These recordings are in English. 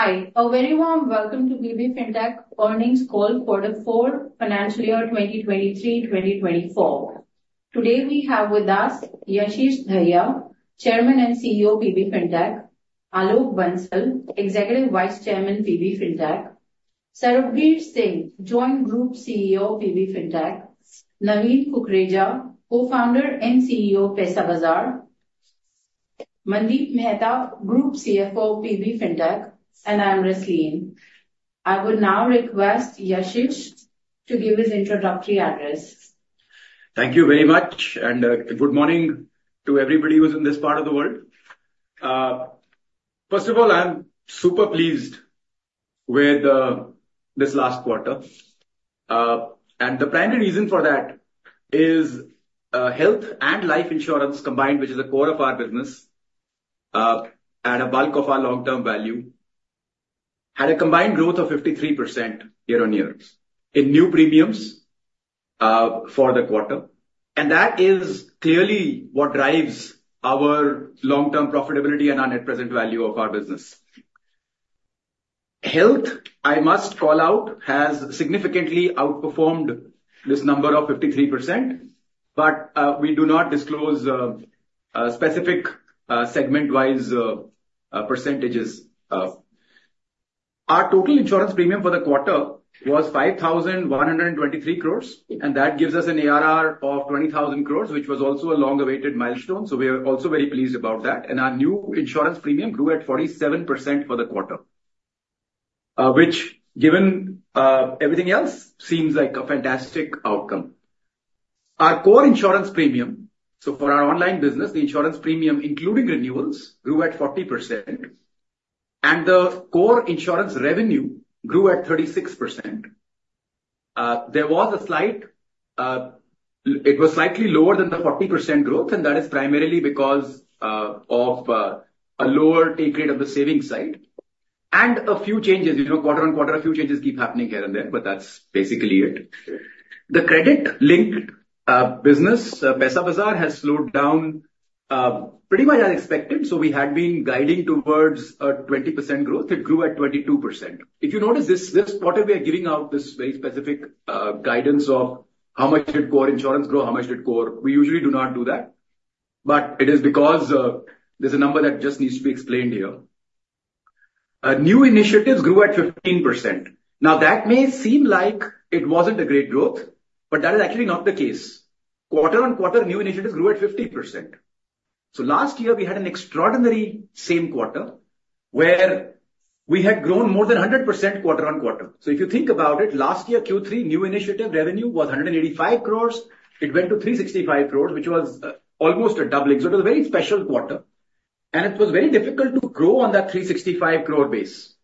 Hi, everyone, welcome to PB Fintech Earnings Call Quarter 4, Financial Year 2023-2024. Today we have with us Yashish Dahiya, Chairman and CEO PB Fintech, Alok Bansal, Executive Vice Chairman PB Fintech, Sarbvir Singh, Joint Group CEO PB Fintech, Naveen Kukreja, Co-Founder and CEO Paisabazaar, Mandeep Mehta, Group CFO PB Fintech, and I'm Rasleen. I would now request Yashish to give his introductory address. Thank you very much, and good morning to everybody who's in this part of the world. First of all, I'm super pleased with this last quarter. The primary reason for that is health and life insurance combined, which is the core of our business and a bulk of our long-term value, had a combined growth of 53% year-on-year in new premiums for the quarter. That is clearly what drives our long-term profitability and our net present value of our business. Health, I must call out, has significantly outperformed this number of 53%, but we do not disclose specific segment-wise percentages. Our total insurance premium for the quarter was 5,123 crores, and that gives us an ARR of 20,000 crores, which was also a long-awaited milestone. We are also very pleased about that. And our new insurance premium grew at 47% for the quarter, which, given everything else, seems like a fantastic outcome. Our core insurance premium, so for our online business, the insurance premium, including renewals, grew at 40%, and the core insurance revenue grew at 36%. It was slightly lower than the 40% growth, and that is primarily because of a lower take rate of the savings side and a few changes. Quarter-on-quarter, a few changes keep happening here and there, but that's basically it. The credit-linked business, Paisabazaar, has slowed down pretty much as expected. So we had been guiding towards a 20% growth. It grew at 22%. If you notice this quarter, we are giving out this very specific guidance of how much did core insurance grow, how much did core, we usually do not do that, but it is because there's a number that just needs to be explained here. New initiatives grew at 15%. Now, that may seem like it wasn't a great growth, but that is actually not the case. Quarter-on-quarter, new initiatives grew at 50%. So last year, we had an extraordinary same quarter where we had grown more than 100% quarter-on-quarter. So if you think about it, last year, Q3, new initiative revenue was 185 crores. It went to 365 crores, which was almost a doubling. So it was a very special quarter, and it was very difficult to grow on that 365 crore base.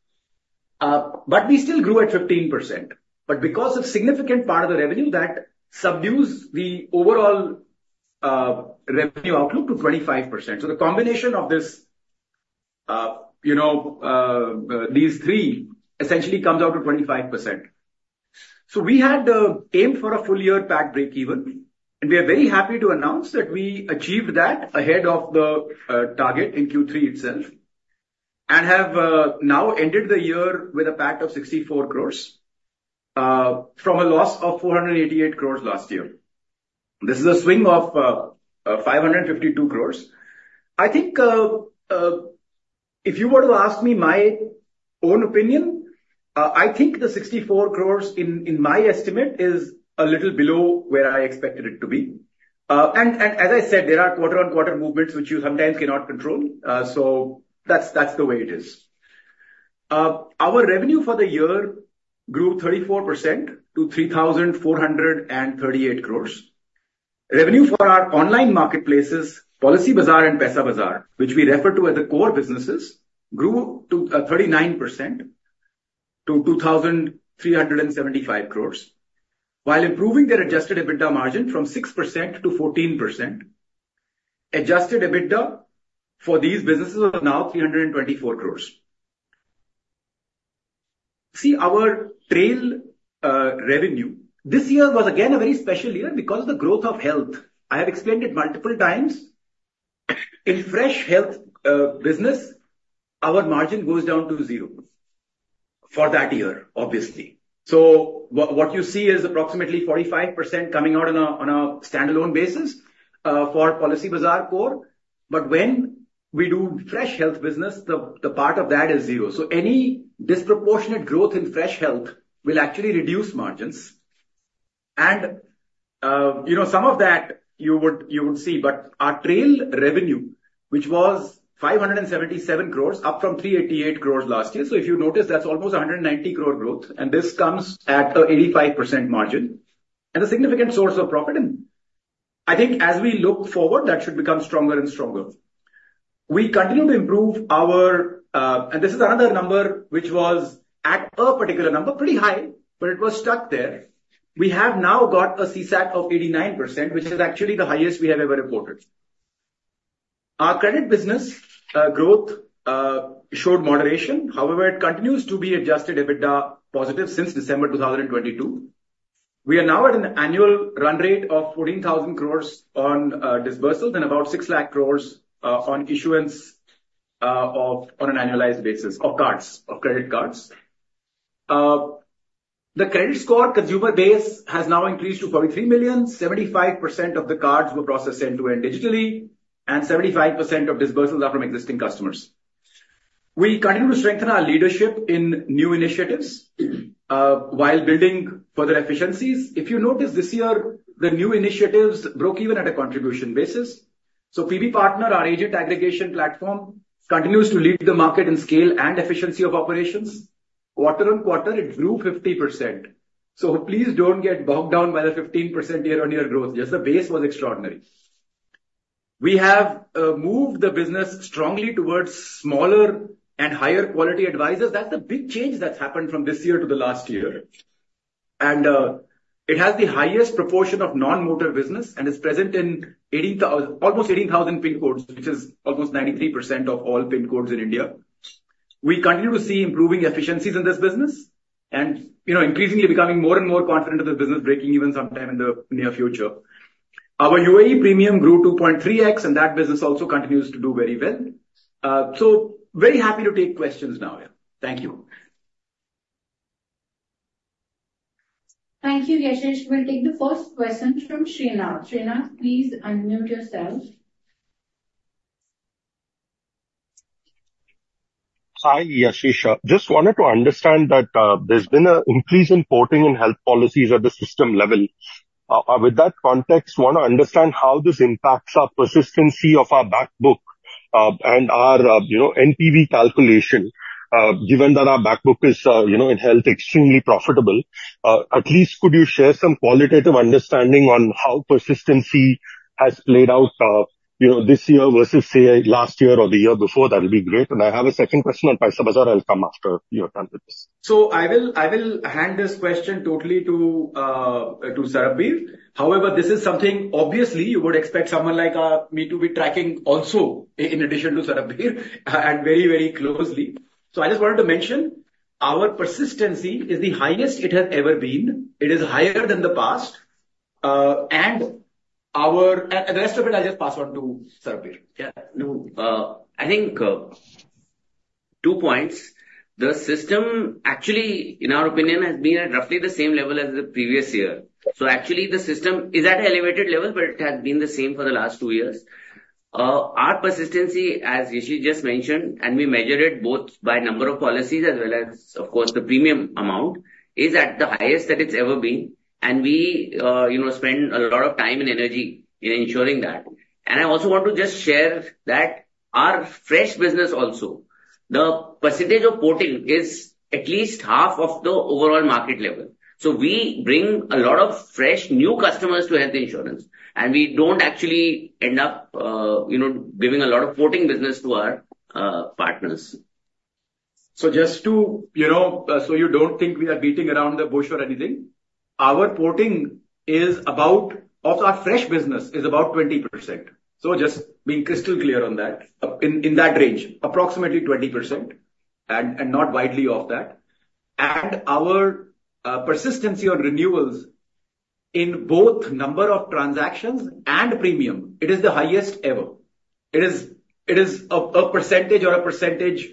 But we still grew at 15%. But because of a significant part of the revenue, that subdues the overall revenue outlook to 25%. So the combination of these three essentially comes out to 25%. So we had aimed for a full-year PAT breakeven, and we are very happy to announce that we achieved that ahead of the target in Q3 itself and have now ended the year with a PAT of 64 crores from a loss of 488 crores last year. This is a swing of 552 crores. I think if you were to ask me my own opinion, I think the 64 crores, in my estimate, is a little below where I expected it to be. And as I said, there are quarter-on-quarter movements, which you sometimes cannot control. So that's the way it is. Our revenue for the year grew 34% to 3,438 crores. Revenue for our online marketplaces, Policybazaar and Paisabazaar, which we refer to as the core businesses, grew 39% to 2,375 crores, while improving their Adjusted EBITDA margin from 6% to 14%. Adjusted EBITDA for these businesses is now 324 crores. See, our trail revenue this year was, again, a very special year because of the growth of health. I have explained it multiple times. In fresh health business, our margin goes down to zero for that year, obviously. So what you see is approximately 45% coming out on a standalone basis for Policybazaar core. But when we do fresh health business, the part of that is zero. So any disproportionate growth in fresh health will actually reduce margins. And some of that you would see. But our trail revenue, which was 577 crores, up from 388 crores last year. So if you notice, that's almost 190 crore growth. And this comes at an 85% margin and a significant source of profit. And I think as we look forward, that should become stronger and stronger. We continue to improve our and this is another number which was at a particular number, pretty high, but it was stuck there. We have now got a CSAT of 89%, which is actually the highest we have ever reported. Our credit business growth showed moderation. However, it continues to be Adjusted EBITDA positive since December 2022. We are now at an annual run rate of 14,000 crore on disbursals and about 600,000 crore on issuance on an annualized basis of credit cards. The credit score consumer base has now increased to 43 million. 75% of the cards were processed end-to-end digitally, and 75% of disbursals are from existing customers. We continue to strengthen our leadership in new initiatives while building further efficiencies. If you notice, this year, the new initiatives broke even at a contribution basis. So PBPartner, our agent aggregation platform, continues to lead the market in scale and efficiency of operations. Quarter-on-quarter, it grew 50%. So please don't get bogged down by the 15% year-on-year growth. Just the base was extraordinary. We have moved the business strongly towards smaller and higher-quality advisors. That's a big change that's happened from this year to the last year. And it has the highest proportion of non-motor business and is present in almost 18,000 PIN codes, which is almost 93% of all PIN codes in India. We continue to see improving efficiencies in this business and increasingly becoming more and more confident of this business breaking even sometime in the near future. Our UAE premium grew 2.3x, and that business also continues to do very well. So very happy to take questions now. Thank you. Thank you, Yashish. We'll take the first question from Srinath. Srinath, please unmute yourself. Hi, Yashish. Just wanted to understand that there's been an increase in porting and health policies at the system level. With that context, I want to understand how this impacts our persistency of our backbook and our NPV calculation. Given that our backbook is in health, extremely profitable, at least could you share some qualitative understanding on how persistency has played out this year versus, say, last year or the year before? That would be great. I have a second question on Paisabazaar. I'll come after you're done with this. So I will hand this question totally to Sarbvir. However, this is something, obviously, you would expect someone like me to be tracking also in addition to Sarbvir and very, very closely. So I just wanted to mention our persistency is the highest it has ever been. It is higher than the past. And the rest of it, I'll just pass on to Sarbvir. Yeah. No, I think two points. The system, actually, in our opinion, has been at roughly the same level as the previous year. So actually, the system is at an elevated level, but it has been the same for the last two years. Our persistency, as Yashish just mentioned, and we measured it both by number of policies as well as, of course, the premium amount, is at the highest that it's ever been. And we spend a lot of time and energy in ensuring that. And I also want to just share that our fresh business also, the percentage of porting is at least half of the overall market level. So we bring a lot of fresh new customers to health insurance, and we don't actually end up giving a lot of porting business to our partners. So just to so you don't think we are beating around the bush or anything, our portion of our fresh business is about 20%. So just being crystal clear on that, in that range, approximately 20% and not widely off that. And our persistency on renewals in both number of transactions and premium, it is the highest ever. It is a percentage or a percentage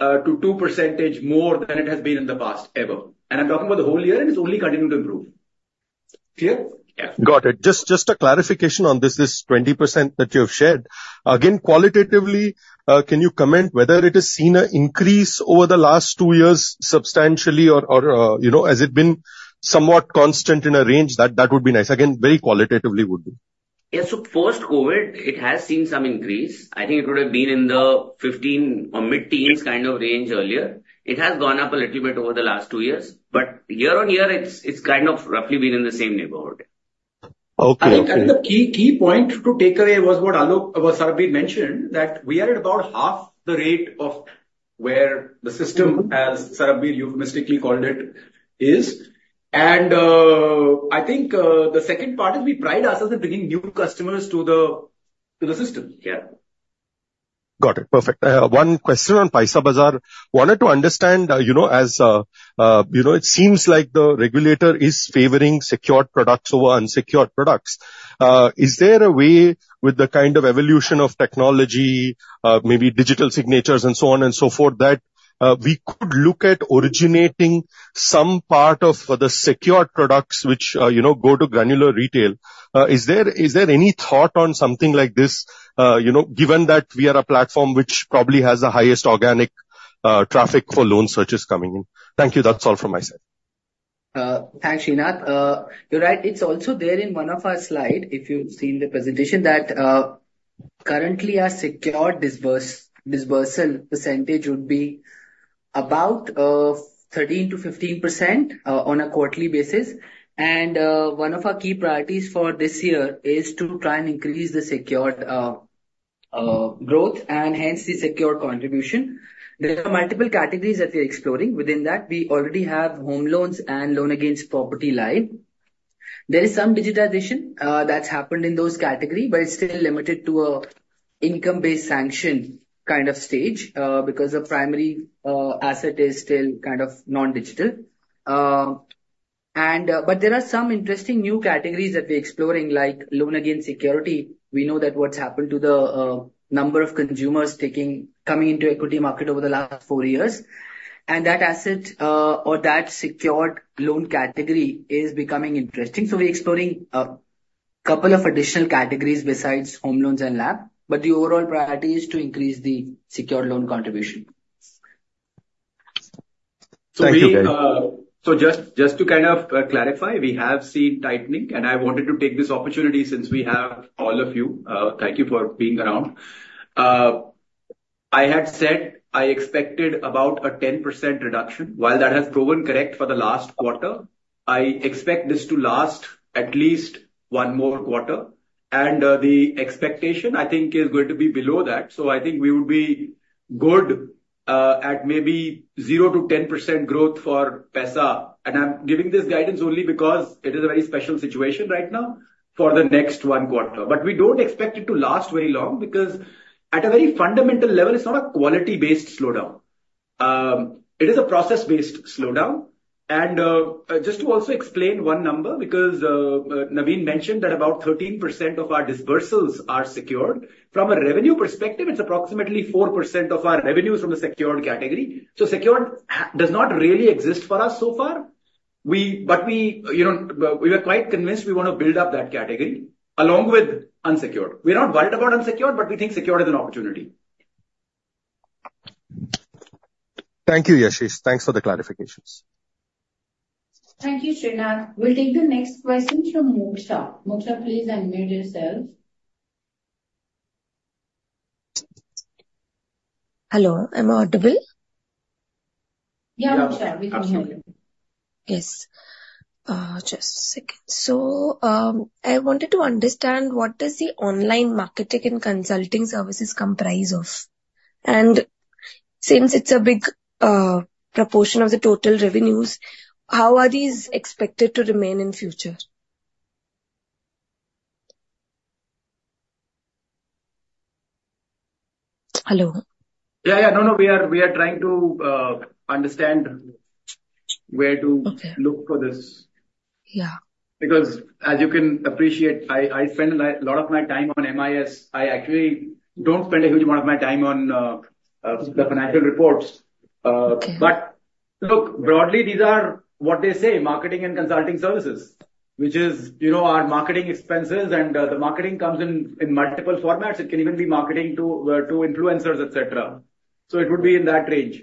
to 2% more than it has been in the past ever. And I'm talking about the whole year, and it's only continued to improve. Clear? Yeah. Got it. Just a clarification on this, this 20% that you have shared. Again, qualitatively, can you comment whether it has seen an increase over the last two years substantially or has it been somewhat constant in a range? That would be nice. Again, very qualitatively would be. Yeah. So post-COVID, it has seen some increase. I think it would have been in the 15 or mid-teens kind of range earlier. It has gone up a little bit over the last two years. But year-on-year, it's kind of roughly been in the same neighborhood. Okay. I think the key point to take away was what Sarbvir mentioned, that we are at about half the rate of where the system, as Sarbvir euphemistically called it, is. And I think the second part is we pride ourselves in bringing new customers to the system. Yeah. Got it. Perfect. One question on Paisabazaar. Wanted to understand, as it seems like the regulator is favoring secured products over unsecured products. Is there a way, with the kind of evolution of technology, maybe digital signatures and so on and so forth, that we could look at originating some part of the secured products, which go to granular retail? Is there any thought on something like this, given that we are a platform which probably has the highest organic traffic for loan searches coming in? Thank you. That's all from my side. Thanks, Srinath. You're right. It's also there in one of our slides, if you've seen the presentation, that currently, our secured disbursal percentage would be about 13%-15% on a quarterly basis. One of our key priorities for this year is to try and increase the secured growth and hence the secured contribution. There are multiple categories that we are exploring. Within that, we already have home loans and loan against property live. There is some digitization that's happened in those categories, but it's still limited to an income-based sanction kind of stage because the primary asset is still kind of non-digital. There are some interesting new categories that we're exploring, like loan against security. We know that what's happened to the number of consumers coming into the equity market over the last four years. That asset or that secured loan category is becoming interesting. We're exploring a couple of additional categories besides home loans and LAP. The overall priority is to increase the secured loan contribution. Thank you. So just to kind of clarify, we have seen tightening. And I wanted to take this opportunity since we have all of you. Thank you for being around. I had said I expected about a 10% reduction. While that has proven correct for the last quarter, I expect this to last at least one more quarter. And the expectation, I think, is going to be below that. So I think we would be good at maybe 0%-10% growth for Paisa. And I'm giving this guidance only because it is a very special situation right now for the next one quarter. But we don't expect it to last very long because, at a very fundamental level, it's not a quality-based slowdown. It is a process-based slowdown. And just to also explain one number, because Naveen mentioned that about 13% of our disbursals are secured. From a revenue perspective, it's approximately 4% of our revenues from the secured category. So secured does not really exist for us so far. But we were quite convinced we want to build up that category along with unsecured. We're not worried about unsecured, but we think secured is an opportunity. Thank you, Yashish. Thanks for the clarifications. Thank you, Srinath. We'll take the next question from Moksha. Moksha, please unmute yourself. Hello. Am I audible? Yeah, Moksha, we can hear you. Yes. Just a second. So I wanted to understand what does the online marketing and consulting services comprise of? And since it's a big proportion of the total revenues, how are these expected to remain in the future? Hello. Yeah, yeah. No, no. We are trying to understand where to look for this because, as you can appreciate, I spend a lot of my time on MIS. I actually don't spend a huge amount of my time on the financial reports. But look, broadly, these are what they say, marketing and consulting services, which is our marketing expenses. And the marketing comes in multiple formats. It can even be marketing to influencers, etc. So it would be in that range.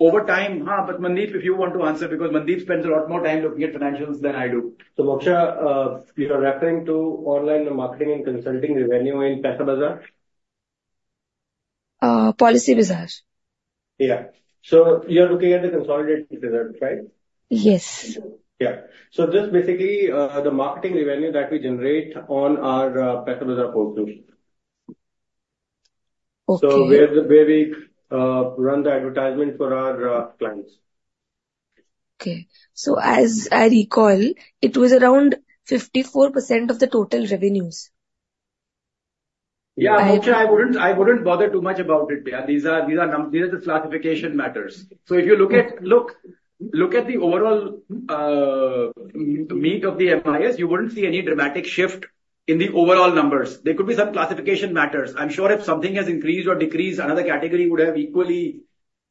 Over time, huh, but Mandeep, if you want to answer because Mandeep spends a lot more time looking at financials than I do. So Moksha, you're referring to online marketing and consulting revenue in Paisabazaar? Policybazaar. Yeah. So you're looking at the consolidated result, right? Yes. Yeah. So just basically, the marketing revenue that we generate on our Paisabazaar portal, so where we run the advertisement for our clients. Okay. As I recall, it was around 54% of the total revenues. Yeah, Moksha, I wouldn't bother too much about it, per se. These are just classification matters. So if you look at the overall meat of the MIS, you wouldn't see any dramatic shift in the overall numbers. There could be some classification matters. I'm sure if something has increased or decreased, another category would have equally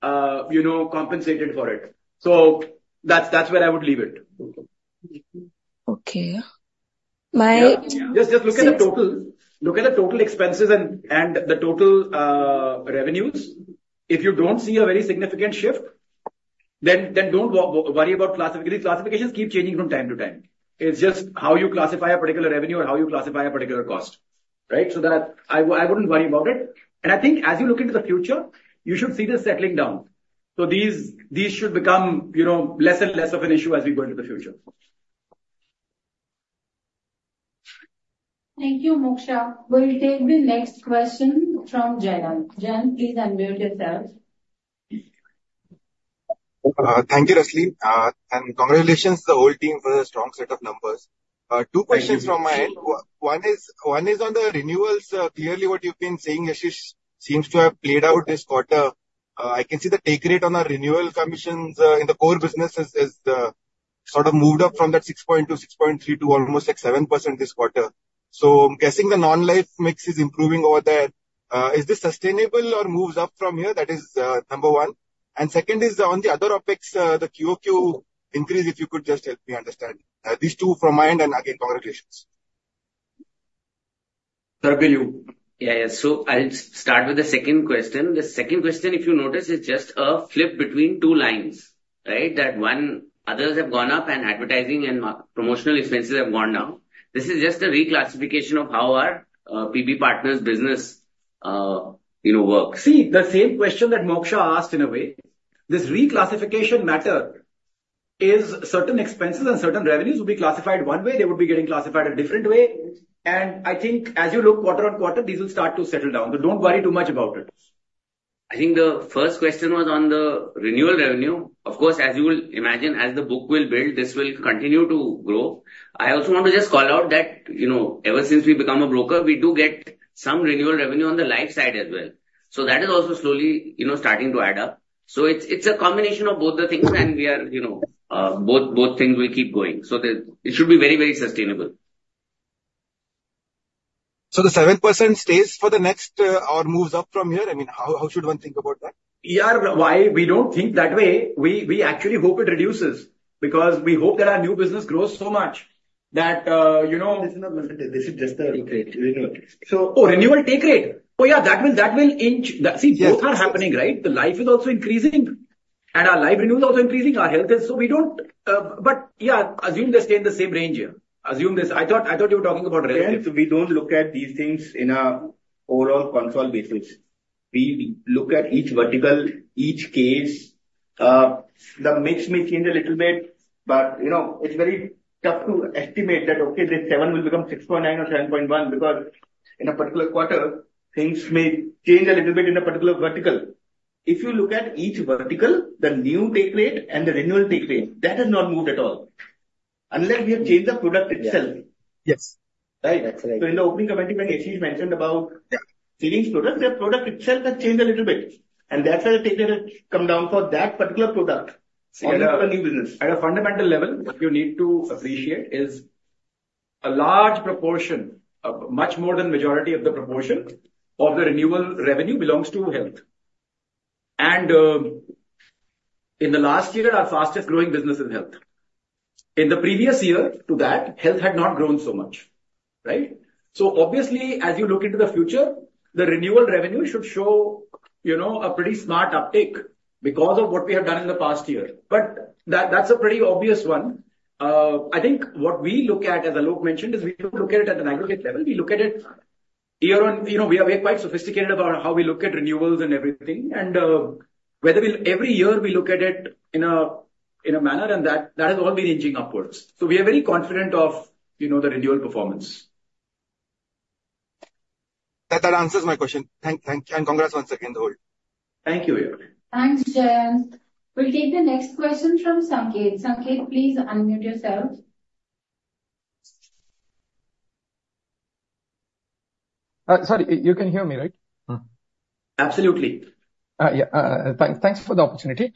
compensated for it. So that's where I would leave it. Okay. My- Just look at the total. Look at the total expenses and the total revenues. If you don't see a very significant shift, then don't worry about classification. Classifications keep changing from time to time. It's just how you classify a particular revenue or how you classify a particular cost, right? So I wouldn't worry about it. I think as you look into the future, you should see this settling down. These should become less and less of an issue as we go into the future. Thank you, Moksha. We'll take the next question from Jayant. Jayant, please unmute yourself. Thank you, Rasleen. Congratulations, the whole team, for a strong set of numbers. Two questions from my end. One is on the renewals. Clearly, what you've been saying, Yashish, seems to have played out this quarter. I can see the take rate on our renewal commissions in the core business has sort of moved up from that 6.2%, 6.3% to almost like 7% this quarter. So I'm guessing the non-life mix is improving over there. Is this sustainable or moves up from here? That is number one. And second is on the other OpEx, the QoQ increase, if you could just help me understand. These two from my end. And again, congratulations. Sarbvir. Yeah, yeah. So I'll start with the second question. The second question, if you notice, is just a flip between two lines, right? That one, others have gone up and advertising and promotional expenses have gone down. This is just a reclassification of how our PBPartners' business works. See, the same question that Moksha asked, in a way, this reclassification matter is certain expenses and certain revenues will be classified one way. They would be getting classified a different way. And I think as you look quarter-on-quarter, these will start to settle down. So don't worry too much about it. I think the first question was on the renewal revenue. Of course, as you will imagine, as the book will build, this will continue to grow. I also want to just call out that ever since we became a broker, we do get some renewal revenue on the life side as well. So that is also slowly starting to add up. So it's a combination of both the things, and both things will keep going. So it should be very, very sustainable. So the 7% stays for the next or moves up from here? I mean, how should one think about that? Yeah. Why we don't think that way? We actually hope it reduces because we hope that our new business grows so much that. This is not limited. This is just the renewal. Oh, renewal take rate. Oh, yeah. That will inch. See, both are happening, right? The life is also increasing, and our life renewal is also increasing. Our health is so we don't. But yeah, assume they stay in the same range here. Assume this. I thought you were talking about relative. Yeah. So we don't look at these things in an overall control basis. We look at each vertical, each case. The mix may change a little bit, but it's very tough to estimate that, okay, this 7% will become 6.9% or 7.1% because in a particular quarter, things may change a little bit in a particular vertical. If you look at each vertical, the new take rate and the renewal take rate, that has not moved at all unless we have changed the product itself. Yes. Right? That's right. In the opening comment, when Yashish mentioned about lending products, their product itself has changed a little bit. That's where the take rate has come down for that particular product or the new business. At a fundamental level, what you need to appreciate is a large proportion, much more than the majority of the proportion of the renewal revenue belongs to health. In the last year, our fastest growing business is health. In the previous year to that, health had not grown so much, right? Obviously, as you look into the future, the renewal revenue should show a pretty smart uptake because of what we have done in the past year. But that's a pretty obvious one. I think what we look at, as Alok mentioned, is we don't look at it at an aggregate level. We look at it year-on-year. We are quite sophisticated about how we look at renewals and everything and whether every year we look at it in a manner and that has all been inching upwards. So we are very confident of the renewal performance. That answers my question. Thank you. Congrats once again to all. Thank you, Jayant. Thanks, Jayant. We'll take the next question from Sanketh. Sanketh, please unmute yourself. Sorry, you can hear me, right? Absolutely. Yeah. Thanks for the opportunity.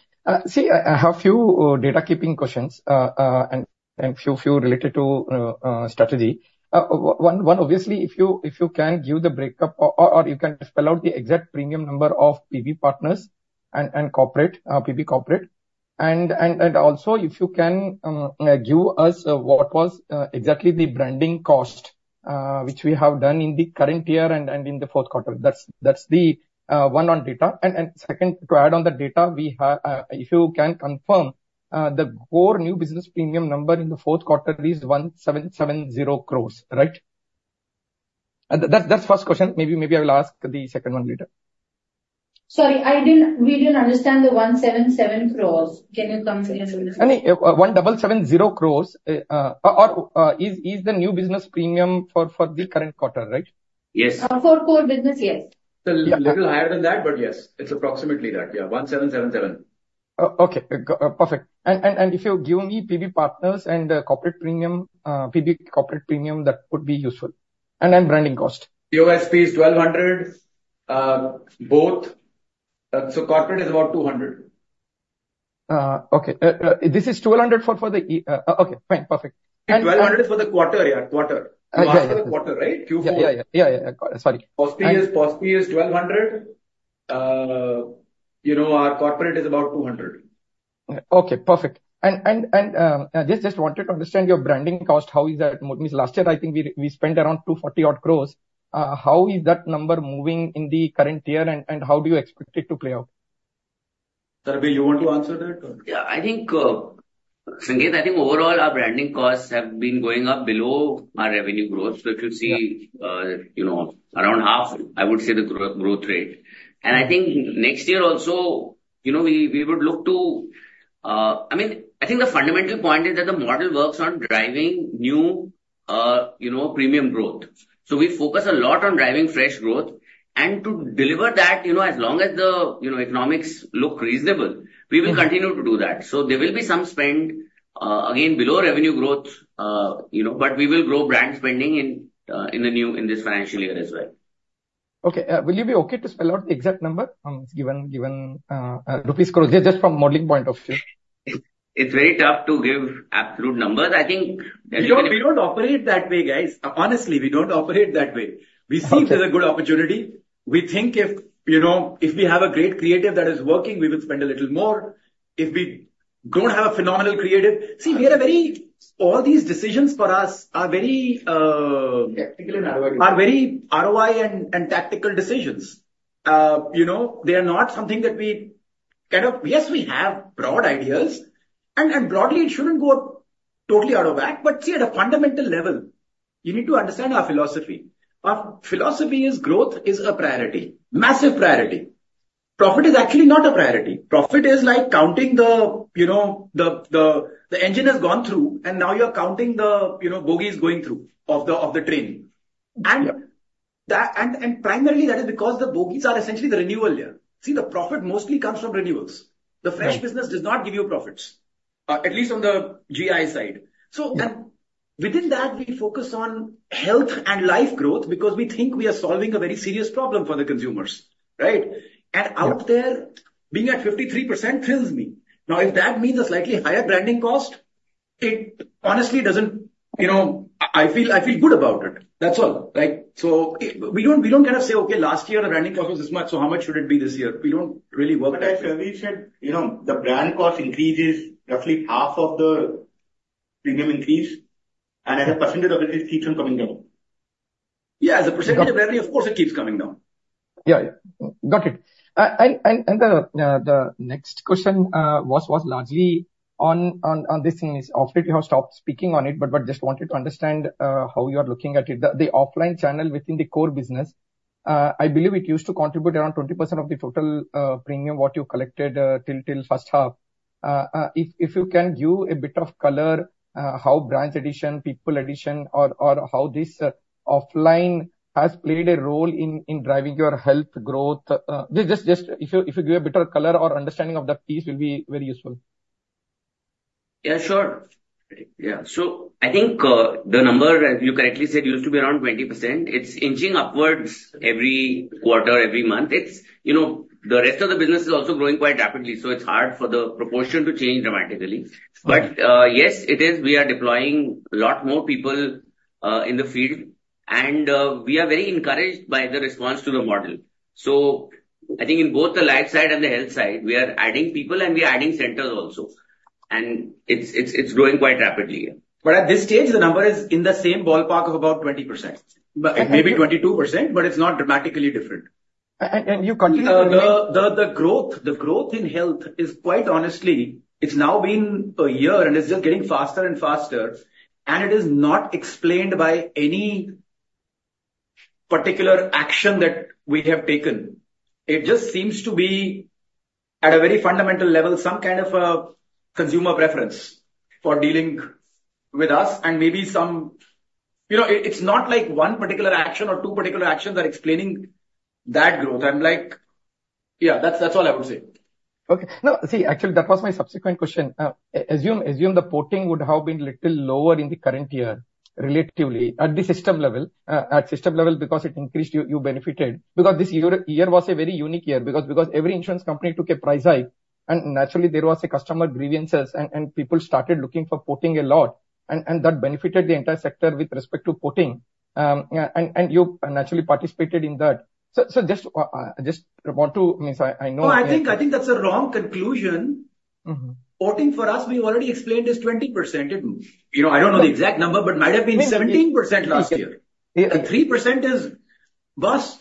See, I have a few data-keeping questions and a few related to strategy. One, obviously, if you can give the breakup or you can spell out the exact premium number of PBPartners and PB Corporate. And also, if you can give us what was exactly the branding cost, which we have done in the current year and in the fourth quarter. That's the one on data. And second, to add on the data, if you can confirm, the core new business premium number in the fourth quarter is 1,770 crores, right? That's the first question. Maybe I will ask the second one later. Sorry, we didn't understand the 1,770 crore. Can you confirm? I mean, 1,770 crores is the new business premium for the current quarter, right? Yes. For core business, yes. It's a little higher than that, but yes, it's approximately that. Yeah, 1,777 crores. Okay, perfect. And if you give me PBPartners and corporate premium, PB Corporate premium, that would be useful. And then branding cost. POSP is 1,200, both. So corporate is about 200. Okay. This is 1,200 for the okay, fine. Perfect. 1,200 is for the quarter, yeah, quarter. We asked for the quarter, right? Q4. Yeah, yeah, yeah, yeah, yeah. Sorry. POSP is 1,200. Our corporate is about 200. Okay, perfect. I just wanted to understand your branding cost. How is that? Last year, I think we spent around 240-odd crores. How is that number moving in the current year, and how do you expect it to play out? Sarbvir, you want to answer that? Yeah. Sanketh, I think overall, our branding costs have been going up below our revenue growth. So if you see around half, I would say, the growth rate. And I think next year also, we would look to, I mean, I think the fundamental point is that the model works on driving new premium growth. So we focus a lot on driving fresh growth. And to deliver that, as long as the economics look reasonable, we will continue to do that. So there will be some spend, again, below revenue growth, but we will grow brand spending in this financial year as well. Okay. Will you be okay to spell out the exact number? It's given rupees crores, just from a modeling point of view. It's very tough to give absolute numbers. I think. We don't operate that way, guys. Honestly, we don't operate that way. We see it as a good opportunity. We think if we have a great creative that is working, we will spend a little more. If we don't have a phenomenal creative see, all these decisions for us are very. Tactical and ROI. Our very ROI and tactical decisions. They are not something that we kind of, yes, we have broad ideas. And broadly, it shouldn't go totally out of whack. But see, at a fundamental level, you need to understand our philosophy. Our philosophy is growth is a priority, massive priority. Profit is actually not a priority. Profit is like counting the engine has gone through, and now you're counting the bogies going through of the train. And primarily, that is because the bogies are essentially the renewal year. See, the profit mostly comes from renewals. The fresh business does not give you profits, at least on the GI side. And within that, we focus on health and life growth because we think we are solving a very serious problem for the consumers, right? And out there, being at 53% thrills me. Now, if that means a slightly higher branding cost, it honestly doesn't. I feel good about it. That's all, right? So we don't kind of say, "Okay, last year, the branding cost was this much. So how much should it be this year?" We don't really work that way. But Sarbvir, the brand cost increases roughly half of the premium increase. And as a percentage of it, it keeps on coming down. Yeah, as a percentage of revenue, of course, it keeps coming down. Yeah, got it. And the next question was largely on this thing. Sarbvir, you have stopped speaking on it, but just wanted to understand how you are looking at it. The offline channel within the core business, I believe it used to contribute around 20% of the total premium what you collected till first half. If you can give a bit of color, how brands addition, people addition, or how this offline has played a role in driving your health growth, just if you give a bit of color or understanding of that piece, it will be very useful. Yeah, sure. Yeah. So I think the number, as you correctly said, used to be around 20%. It's inching upwards every quarter, every month. The rest of the business is also growing quite rapidly. So it's hard for the proportion to change dramatically. But yes, it is. We are deploying a lot more people in the field. And we are very encouraged by the response to the model. So I think in both the life side and the health side, we are adding people, and we are adding centers also. And it's growing quite rapidly here. At this stage, the number is in the same ballpark of about 20%, maybe 22%, but it's not dramatically different. You continue to. The growth in health is quite honestly, it's now been a year, and it's just getting faster and faster. It is not explained by any particular action that we have taken. It just seems to be, at a very fundamental level, some kind of a consumer preference for dealing with us. Maybe it's not like one particular action or two particular actions are explaining that growth. Yeah, that's all I would say. Okay. No, see, actually, that was my subsequent question. Assume the porting would have been a little lower in the current year, relatively, at the system level, because it increased. You benefited because this year was a very unique year because every insurance company took a price hike. And naturally, there were customer grievances, and people started looking for porting a lot. And that benefited the entire sector with respect to porting. And you naturally participated in that. So I just want to, I mean, so I know. No, I think that's a wrong conclusion. Porting for us, we already explained is 20%. I don't know the exact number, but it might have been 17% last year. And 3% is boss,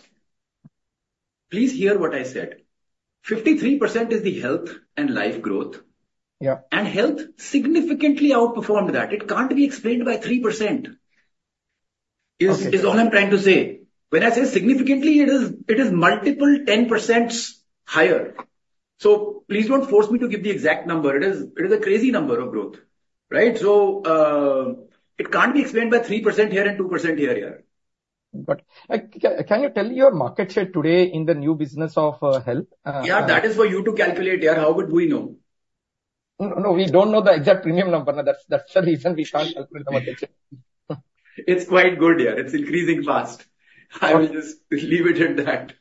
please hear what I said. 53% is the health and life growth. And health significantly outperformed that. It can't be explained by 3% is all I'm trying to say. When I say significantly, it is multiple 10% higher. So please don't force me to give the exact number. It is a crazy number of growth, right? So it can't be explained by 3% here and 2% here, yeah. Got it. Can you tell your market share today in the new business of health? Yeah, that is for you to calculate, yeah. How would we know? No, we don't know the exact premium number. That's the reason we can't calculate the market share. It's quite good, yeah. It's increasing fast. I will just leave it at that.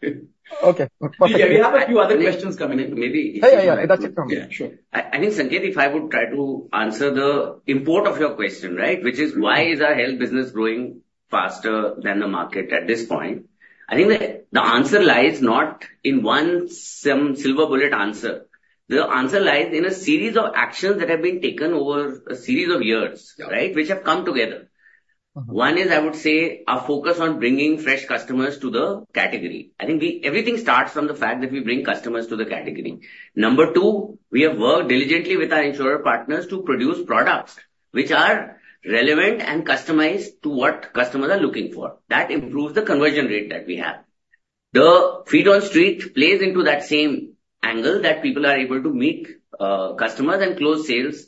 Okay. Yeah, we have a few other questions coming. Maybe. Yeah, yeah, yeah. I think, Sanketh, if I would try to answer the import of your question, right, which is, why is our health business growing faster than the market at this point? I think the answer lies not in one silver bullet answer. The answer lies in a series of actions that have been taken over a series of years, right, which have come together. One is, I would say, our focus on bringing fresh customers to the category. I think everything starts from the fact that we bring customers to the category. Number two, we have worked diligently with our insurer partners to produce products which are relevant and customized to what customers are looking for. That improves the conversion rate that we have. The feet on street plays into that same angle that people are able to meet customers and close sales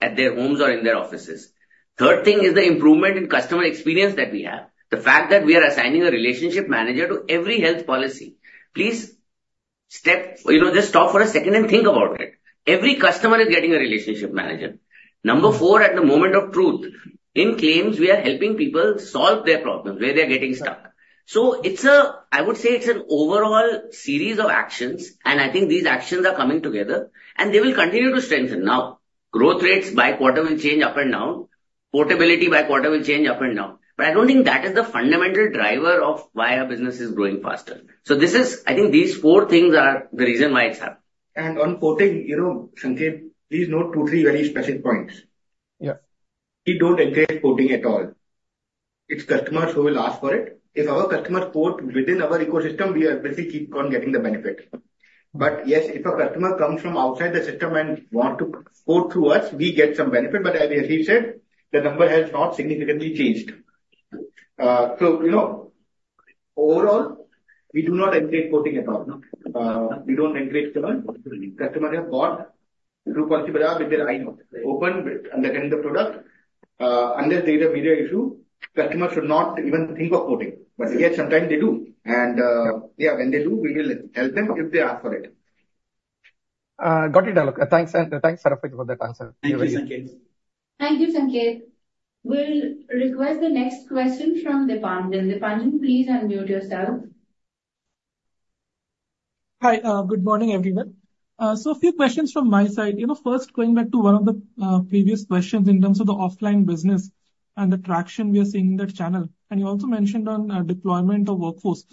at their homes or in their offices. Third thing is the improvement in customer experience that we have, the fact that we are assigning a relationship manager to every health policy. Please just stop for a second and think about it. Every customer is getting a relationship manager. Number four, at the moment of truth, in claims, we are helping people solve their problems where they are getting stuck. So I would say it's an overall series of actions. I think these actions are coming together. They will continue to strengthen. Now, growth rates by quarter will change up and down. Portability by quarter will change up and down. But I don't think that is the fundamental driver of why our business is growing faster. So I think these four things are the reason why it's happening. On porting, Sanketh, please note two, three very specific points. We don't encourage porting at all. It's customers who will ask for it. If our customers port within our ecosystem, we will keep on getting the benefit. But yes, if a customer comes from outside the system and wants to port through us, we get some benefit. But as he said, the number has not significantly changed. So overall, we do not encourage porting at all. We don't encourage porting. Customers have bought through Policybazaar with their eyes open, understanding the product. Unless there is a media issue, customers should not even think of porting. But yet, sometimes they do. And yeah, when they do, we will help them if they ask for it. Got it, Alok. Thanks. Thanks, Sarbvir, for that answer. Thank you, Sanketh. Thank you, Sanketh. We'll request the next question from Dipanjan. Dipanjan, please unmute yourself. Hi, good morning, everyone. So a few questions from my side. First, going back to one of the previous questions in terms of the offline business and the traction we are seeing in that channel. And you also mentioned on deployment of workforce.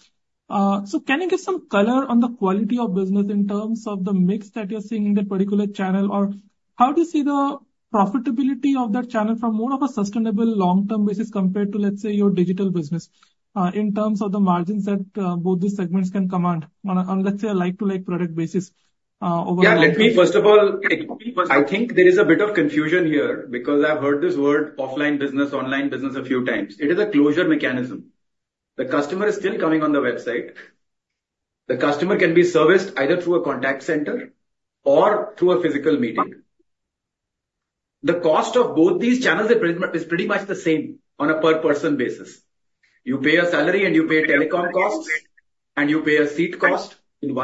So can you give some color on the quality of business in terms of the mix that you're seeing in that particular channel? Or how do you see the profitability of that channel from more of a sustainable long-term basis compared to, let's say, your digital business in terms of the margins that both these segments can command on, let's say, a like-to-like product basis overall? Yeah, first of all, I think there is a bit of confusion here because I've heard this word offline business, online business a few times. It is a closure mechanism. The customer is still coming on the website. The customer can be serviced either through a contact center or through a physical meeting. The cost of both these channels is pretty much the same on a per-person basis. You pay a salary, and you pay telecom costs, and you pay a seat cost in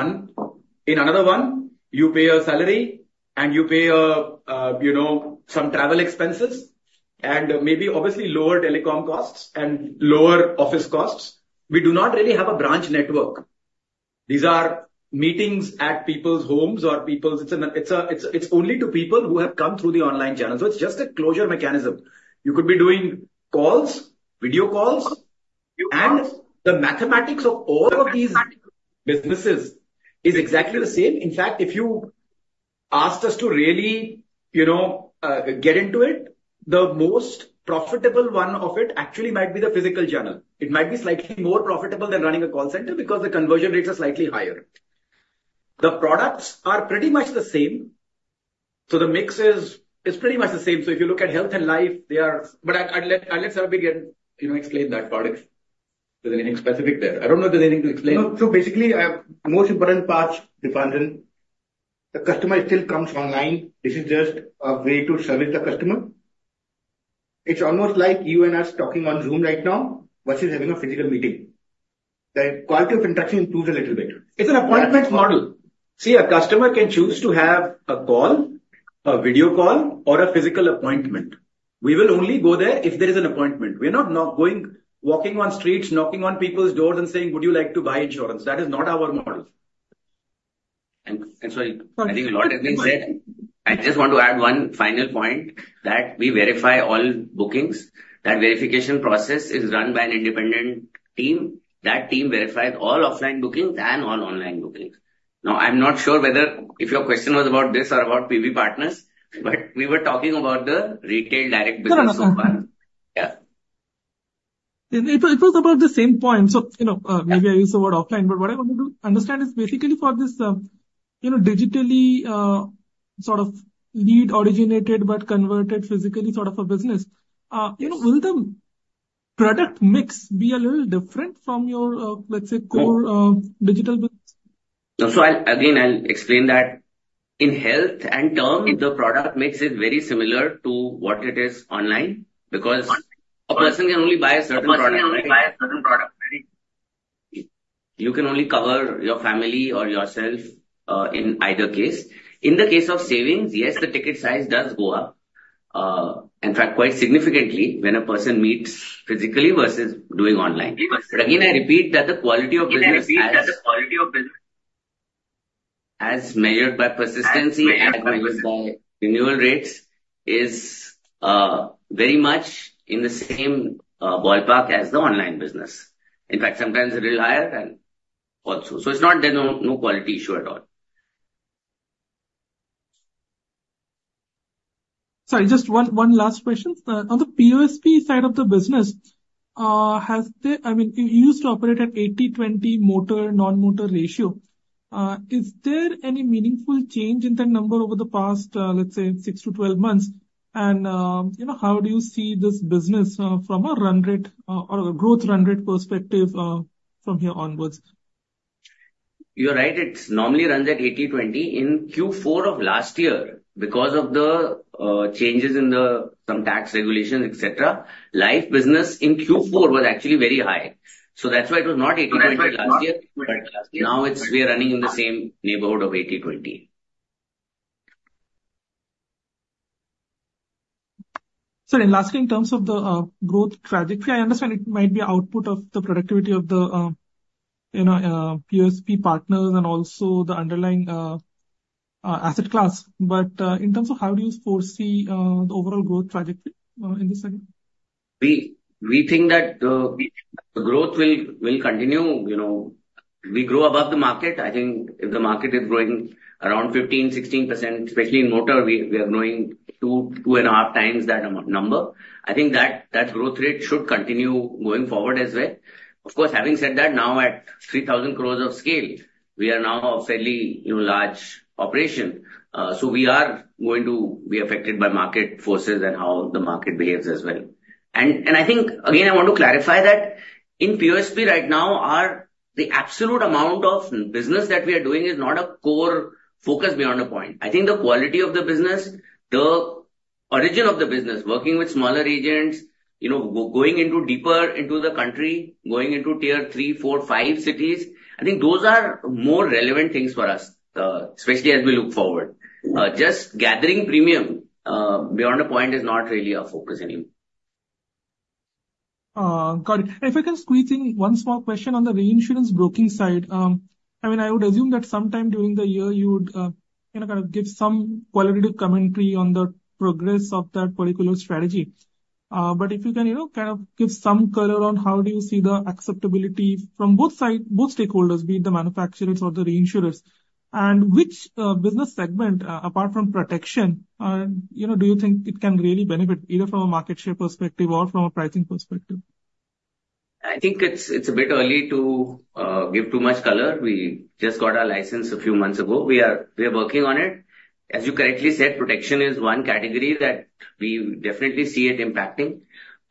another one. You pay a salary, and you pay some travel expenses and maybe, obviously, lower telecom costs and lower office costs. We do not really have a branch network. These are meetings at people's homes or people's, it's only to people who have come through the online channel. So it's just a closure mechanism. You could be doing calls, video calls. The mathematics of all of these businesses is exactly the same. In fact, if you asked us to really get into it, the most profitable one of it actually might be the physical channel. It might be slightly more profitable than running a call center because the conversion rates are slightly higher. The products are pretty much the same. So the mix is pretty much the same. So if you look at health and life, they are, but I'll let Sarbvir Singh explain that part. If there's anything specific there, I don't know if there's anything to explain. Basically, the most important part, Dipanjan, the customer still comes online. This is just a way to service the customer. It's almost like you and I are talking on Zoom right now versus having a physical meeting. The quality of interaction improves a little bit. It's an appointment model. See, a customer can choose to have a call, a video call, or a physical appointment. We will only go there if there is an appointment. We are not walking on streets, knocking on people's doors and saying, "Would you like to buy insurance?" That is not our model. And sorry, I think a lot has been said. I just want to add one final point that we verify all bookings. That verification process is run by an independent team. That team verifies all offline bookings and all online bookings. Now, I'm not sure whether if your question was about this or about PBPartners, but we were talking about the retail direct business so far. Yeah. It was about the same point. So maybe I used the word offline. But what I wanted to understand is, basically, for this digitally sort of lead-originated but converted physically sort of a business, will the product mix be a little different from your, let's say, core digital business? So again, I'll explain that. In health and term, the product mix is very similar to what it is online because a person can only buy a certain product. You can only cover your family or yourself in either case. In the case of savings, yes, the ticket size does go up, in fact, quite significantly when a person meets physically versus doing online. But again, I repeat that the quality of business. I repeat that the quality of business as measured by persistency and measured by renewal rates is very much in the same ballpark as the online business. In fact, sometimes a little higher also. So, it's not. There's no quality issue at all. Sorry, just one last question. On the POSP side of the business, I mean, you used to operate at 80/20 motor/non-motor ratio. Is there any meaningful change in that number over the past, let's say, 6-12 months? How do you see this business from a run rate or a growth run rate perspective from here onwards? You're right. It normally runs at 80/20. In Q4 of last year, because of the changes in some tax regulations, etc., life business in Q4 was actually very high. So that's why it was not 80/20 last year. But now we are running in the same neighborhood of 80/20. Sorry, lastly, in terms of the growth trajectory, I understand it might be output of the productivity of the POSP partners and also the underlying asset class. But in terms of how do you foresee the overall growth trajectory in this segment? We think that the growth will continue. We grow above the market. I think if the market is growing around 15%-16%, especially in motor, we are growing 2.5x that number. I think that growth rate should continue going forward as well. Of course, having said that, now at 3,000 crores of scale, we are now a fairly large operation. So we are going to be affected by market forces and how the market behaves as well. And I think, again, I want to clarify that in POSP right now, the absolute amount of business that we are doing is not a core focus beyond a point. I think the quality of the business, the origin of the business, working with smaller agents, going deeper into the country, going into tier three, four, five cities, I think those are more relevant things for us, especially as we look forward. Just gathering premium beyond a point is not really our focus anymore. Got it. And if I can squeeze in one small question on the reinsurance broking side, I mean, I would assume that sometime during the year, you would kind of give some qualitative commentary on the progress of that particular strategy. But if you can kind of give some color on how do you see the acceptability from both stakeholders, be it the manufacturers or the reinsurers, and which business segment, apart from protection, do you think it can really benefit either from a market share perspective or from a pricing perspective? I think it's a bit early to give too much color. We just got our license a few months ago. We are working on it. As you correctly said, protection is one category that we definitely see it impacting.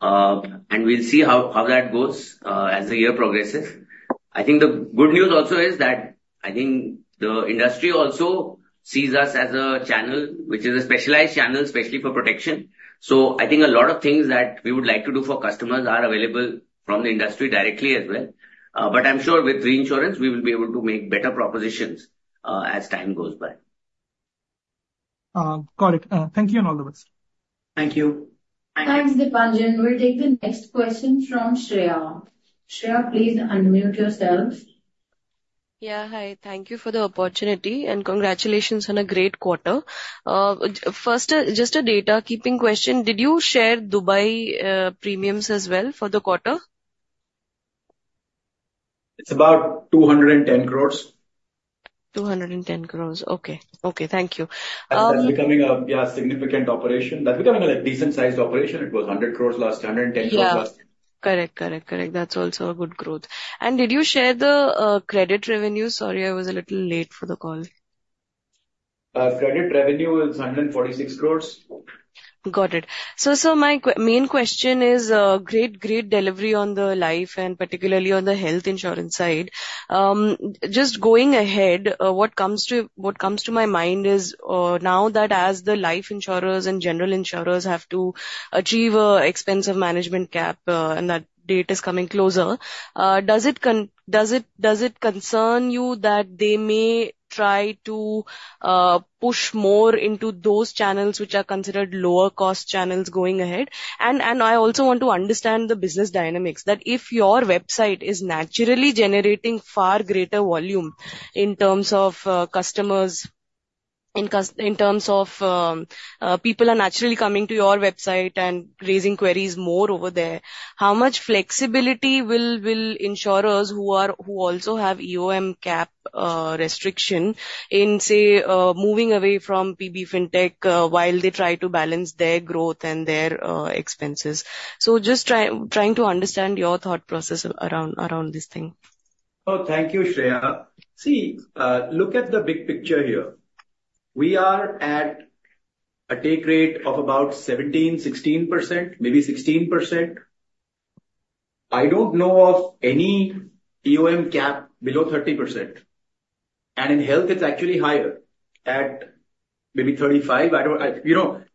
And we'll see how that goes as the year progresses. I think the good news also is that I think the industry also sees us as a channel, which is a specialized channel, especially for protection. So I think a lot of things that we would like to do for customers are available from the industry directly as well. But I'm sure with reinsurance, we will be able to make better propositions as time goes by. Got it. Thank you and all the best. Thank you. Thanks, Dipanjan. We'll take the next question from Shreya. Shreya, please unmute yourself. Yeah, hi. Thank you for the opportunity. Congratulations on a great quarter. First, just a data-keeping question. Did you share Dubai premiums as well for the quarter? It's about 210 crores. 210 crore. Okay. Okay. Thank you. That's becoming a significant operation. That's becoming a decent-sized operation. It was 100 crore last year, 110 crore last year. Correct. Correct. Correct. That's also a good growth. Did you share the credit revenue? Sorry, I was a little late for the call. Credit revenue is 146 crores. Got it. So my main question is great, great delivery on the life and particularly on the health insurance side. Just going ahead, what comes to my mind is now that as the life insurers and general insurers have to achieve an expense management cap and that date is coming closer, does it concern you that they may try to push more into those channels which are considered lower-cost channels going ahead? And I also want to understand the business dynamics that if your website is naturally generating far greater volume in terms of customers, in terms of people naturally coming to your website and raising queries more over there, how much flexibility will insurers who also have EOM cap restriction in, say, moving away from PB Fintech while they try to balance their growth and their expenses? So just trying to understand your thought process around this thing. Oh, thank you, Shreya. See, look at the big picture here. We are at a take rate of about 17%-16%, maybe 16%. I don't know of any EOM cap below 30%. And in health, it's actually higher at maybe 35%.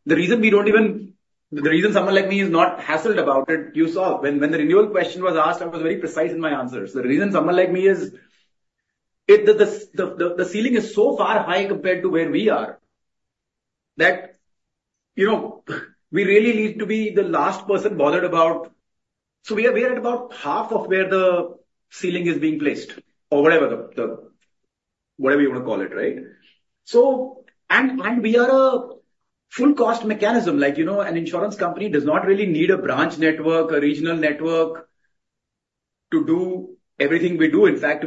The reason the reason someone like me is not hassled about it, you saw when the renewal question was asked, I was very precise in my answers. The reason someone like me is the ceiling is so far high compared to where we are that we really need to be the last person bothered about. So we are at about half of where the ceiling is being placed or whatever you want to call it, right? And we are a full-cost mechanism. An insurance company does not really need a branch network, a regional network to do everything we do. In fact,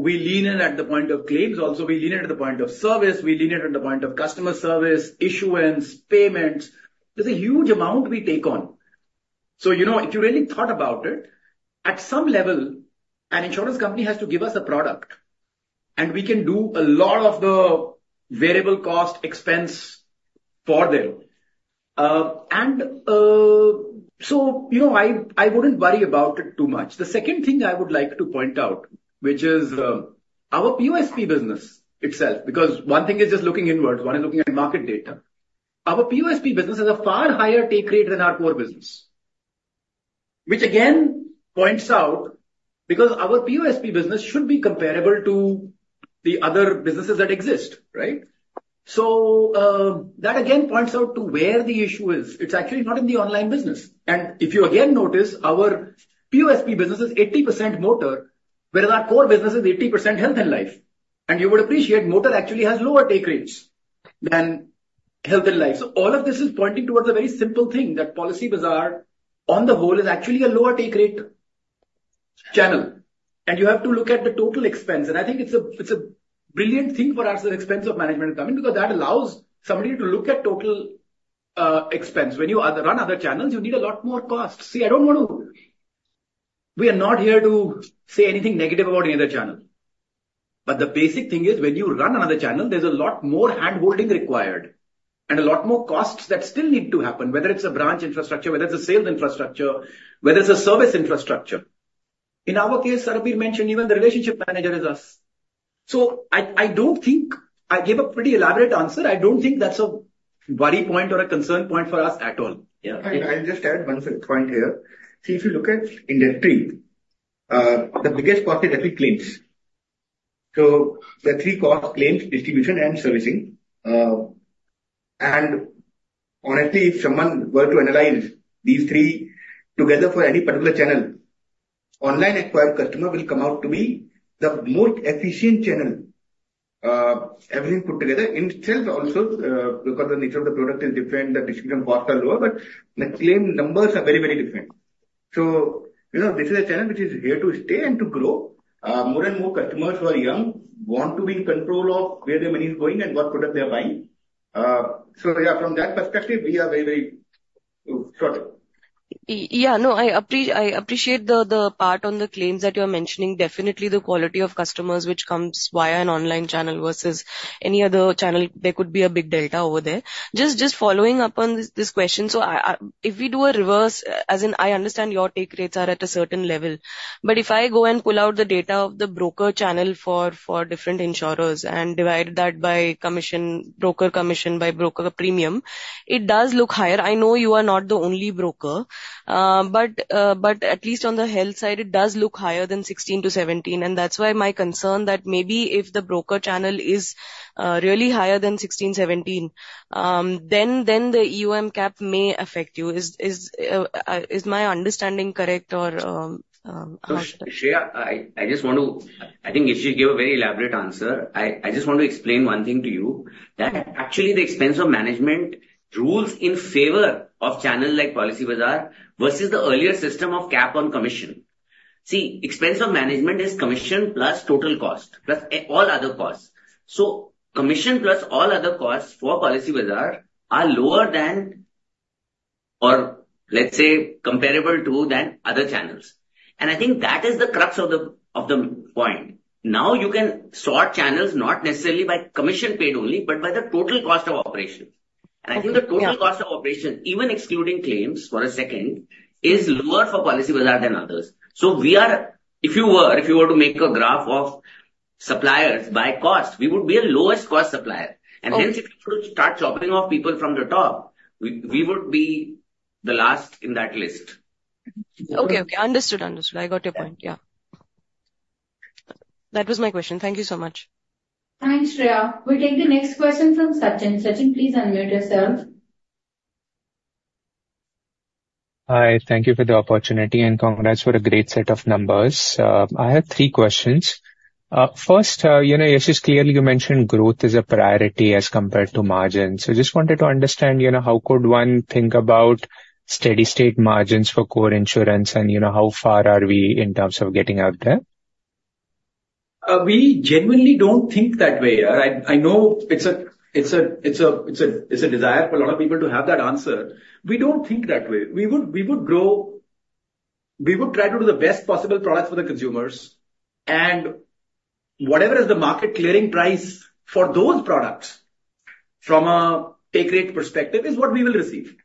we lean in at the point of claims. Also, we lean in at the point of service. We lean in at the point of customer service, issuance, payments. There's a huge amount we take on. So if you really thought about it, at some level, an insurance company has to give us a product. And we can do a lot of the variable cost expense for them. And so I wouldn't worry about it too much. The second thing I would like to point out, which is our POSP business itself, because one thing is just looking inwards. One is looking at market data. Our POSP business has a far higher take rate than our core business, which again points out because our POSP business should be comparable to the other businesses that exist, right? So that again points out to where the issue is. It's actually not in the online business. If you again notice, our POSP business is 80% motor, whereas our core business is 80% health and life. You would appreciate motor actually has lower take rates than health and life. So all of this is pointing towards a very simple thing that Policybazaar, on the whole, is actually a lower take rate channel. You have to look at the total expense. I think it's a brilliant thing for us, the expense of management admin, because that allows somebody to look at total expense. When you run other channels, you need a lot more costs. See, I don't want to. We are not here to say anything negative about any other channel. But the basic thing is, when you run another channel, there's a lot more hand-holding required and a lot more costs that still need to happen, whether it's a branch infrastructure, whether it's a sales infrastructure, whether it's a service infrastructure. In our case, Sarbvir mentioned even the relationship manager is us. So I don't think I gave a pretty elaborate answer. I don't think that's a worry point or a concern point for us at all. Yeah. I'll just add one point here. See, if you look at industry, the biggest cost is actually claims. So there are three costs: claims, distribution, and servicing. Honestly, if someone were to analyze these three together for any particular channel, online-acquired customer will come out to be the most efficient channel, everything put together in itself also, because the nature of the product is different. The distribution costs are lower. But the claim numbers are very, very different. So this is a channel which is here to stay and to grow. More and more customers who are young want to be in control of where their money is going and what product they are buying. So yeah, from that perspective, we are very, very short. Yeah, no, I appreciate the part on the claims that you are mentioning. Definitely, the quality of customers, which comes via an online channel versus any other channel, there could be a big delta over there. Just following up on this question. So if we do a reverse, as in I understand your take rates are at a certain level. But if I go and pull out the data of the broker channel for different insurers and divide that by broker commission, by broker premium, it does look higher. I know you are not the only broker. But at least on the health side, it does look higher than 16-17. And that's why my concern that maybe if the broker channel is really higher than 16-17, then the EOM cap may affect you. Is my understanding correct, or how should I? Shreya, I just want to, I think you gave a very elaborate answer. I just want to explain one thing to you that actually, the expense of management rules in favor of channels like Policybazaar versus the earlier system of cap on commission. See, expense of management is commission plus total cost plus all other costs. So commission plus all other costs for Policybazaar are lower than, or let's say, comparable to than other channels. And I think that is the crux of the point. Now, you can sort channels not necessarily by commission paid only, but by the total cost of operation. And I think the total cost of operation, even excluding claims for a second, is lower for Policybazaar than others. So if you were to make a graph of suppliers by cost, we would be a lowest-cost supplier. And hence, if you were to start chopping off people from the top, we would be the last in that list. Okay. Okay. Understood. Understood. I got your point. Yeah. That was my question. Thank you so much. Thanks, Shreya. We'll take the next question from Sachin. Sachin, please unmute yourself. Hi. Thank you for the opportunity. Congrats for a great set of numbers. I have three questions. First, Yashish, clearly, you mentioned growth is a priority as compared to margins. I just wanted to understand how could one think about steady-state margins for core insurance and how far are we in terms of getting out there? We genuinely don't think that way, ya. I know it's a desire for a lot of people to have that answer. We don't think that way. We would try to do the best possible products for the consumers. And whatever is the market clearing price for those products from a take rate perspective is what we will receive.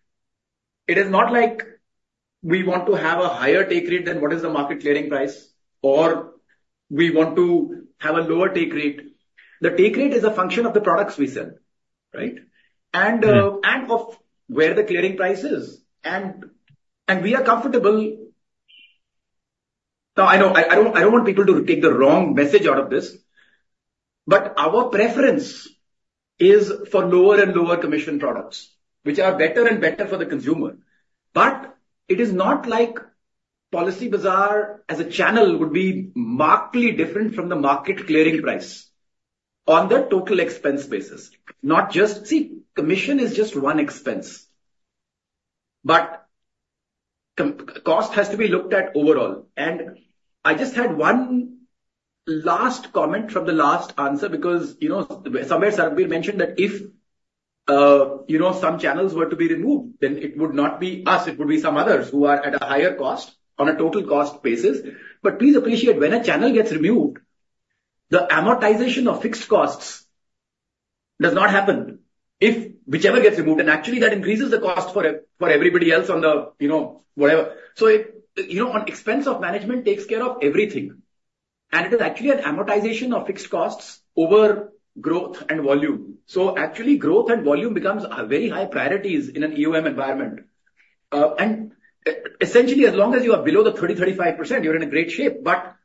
It is not like we want to have a higher take rate than what is the market clearing price, or we want to have a lower take rate. The take rate is a function of the products we sell, right, and of where the clearing price is. And we are comfortable now, I don't want people to take the wrong message out of this. But our preference is for lower and lower commission products, which are better and better for the consumer. But it is not like Policybazaar as a channel would be markedly different from the market clearing price on the total expense basis, not just, see, commission is just one expense. But cost has to be looked at overall. And I just had one last comment from the last answer because somewhere, Sarbvir mentioned that if some channels were to be removed, then it would not be us. It would be some others who are at a higher cost on a total cost basis. But please appreciate when a channel gets removed, the amortization of fixed costs does not happen if whichever gets removed. And actually, that increases the cost for everybody else on the whatever. So expense of management takes care of everything. And it is actually an amortization of fixed costs over growth and volume. So actually, growth and volume become very high priorities in an EOM environment. And essentially, as long as you are below the 30%-35%, you're in a great shape. But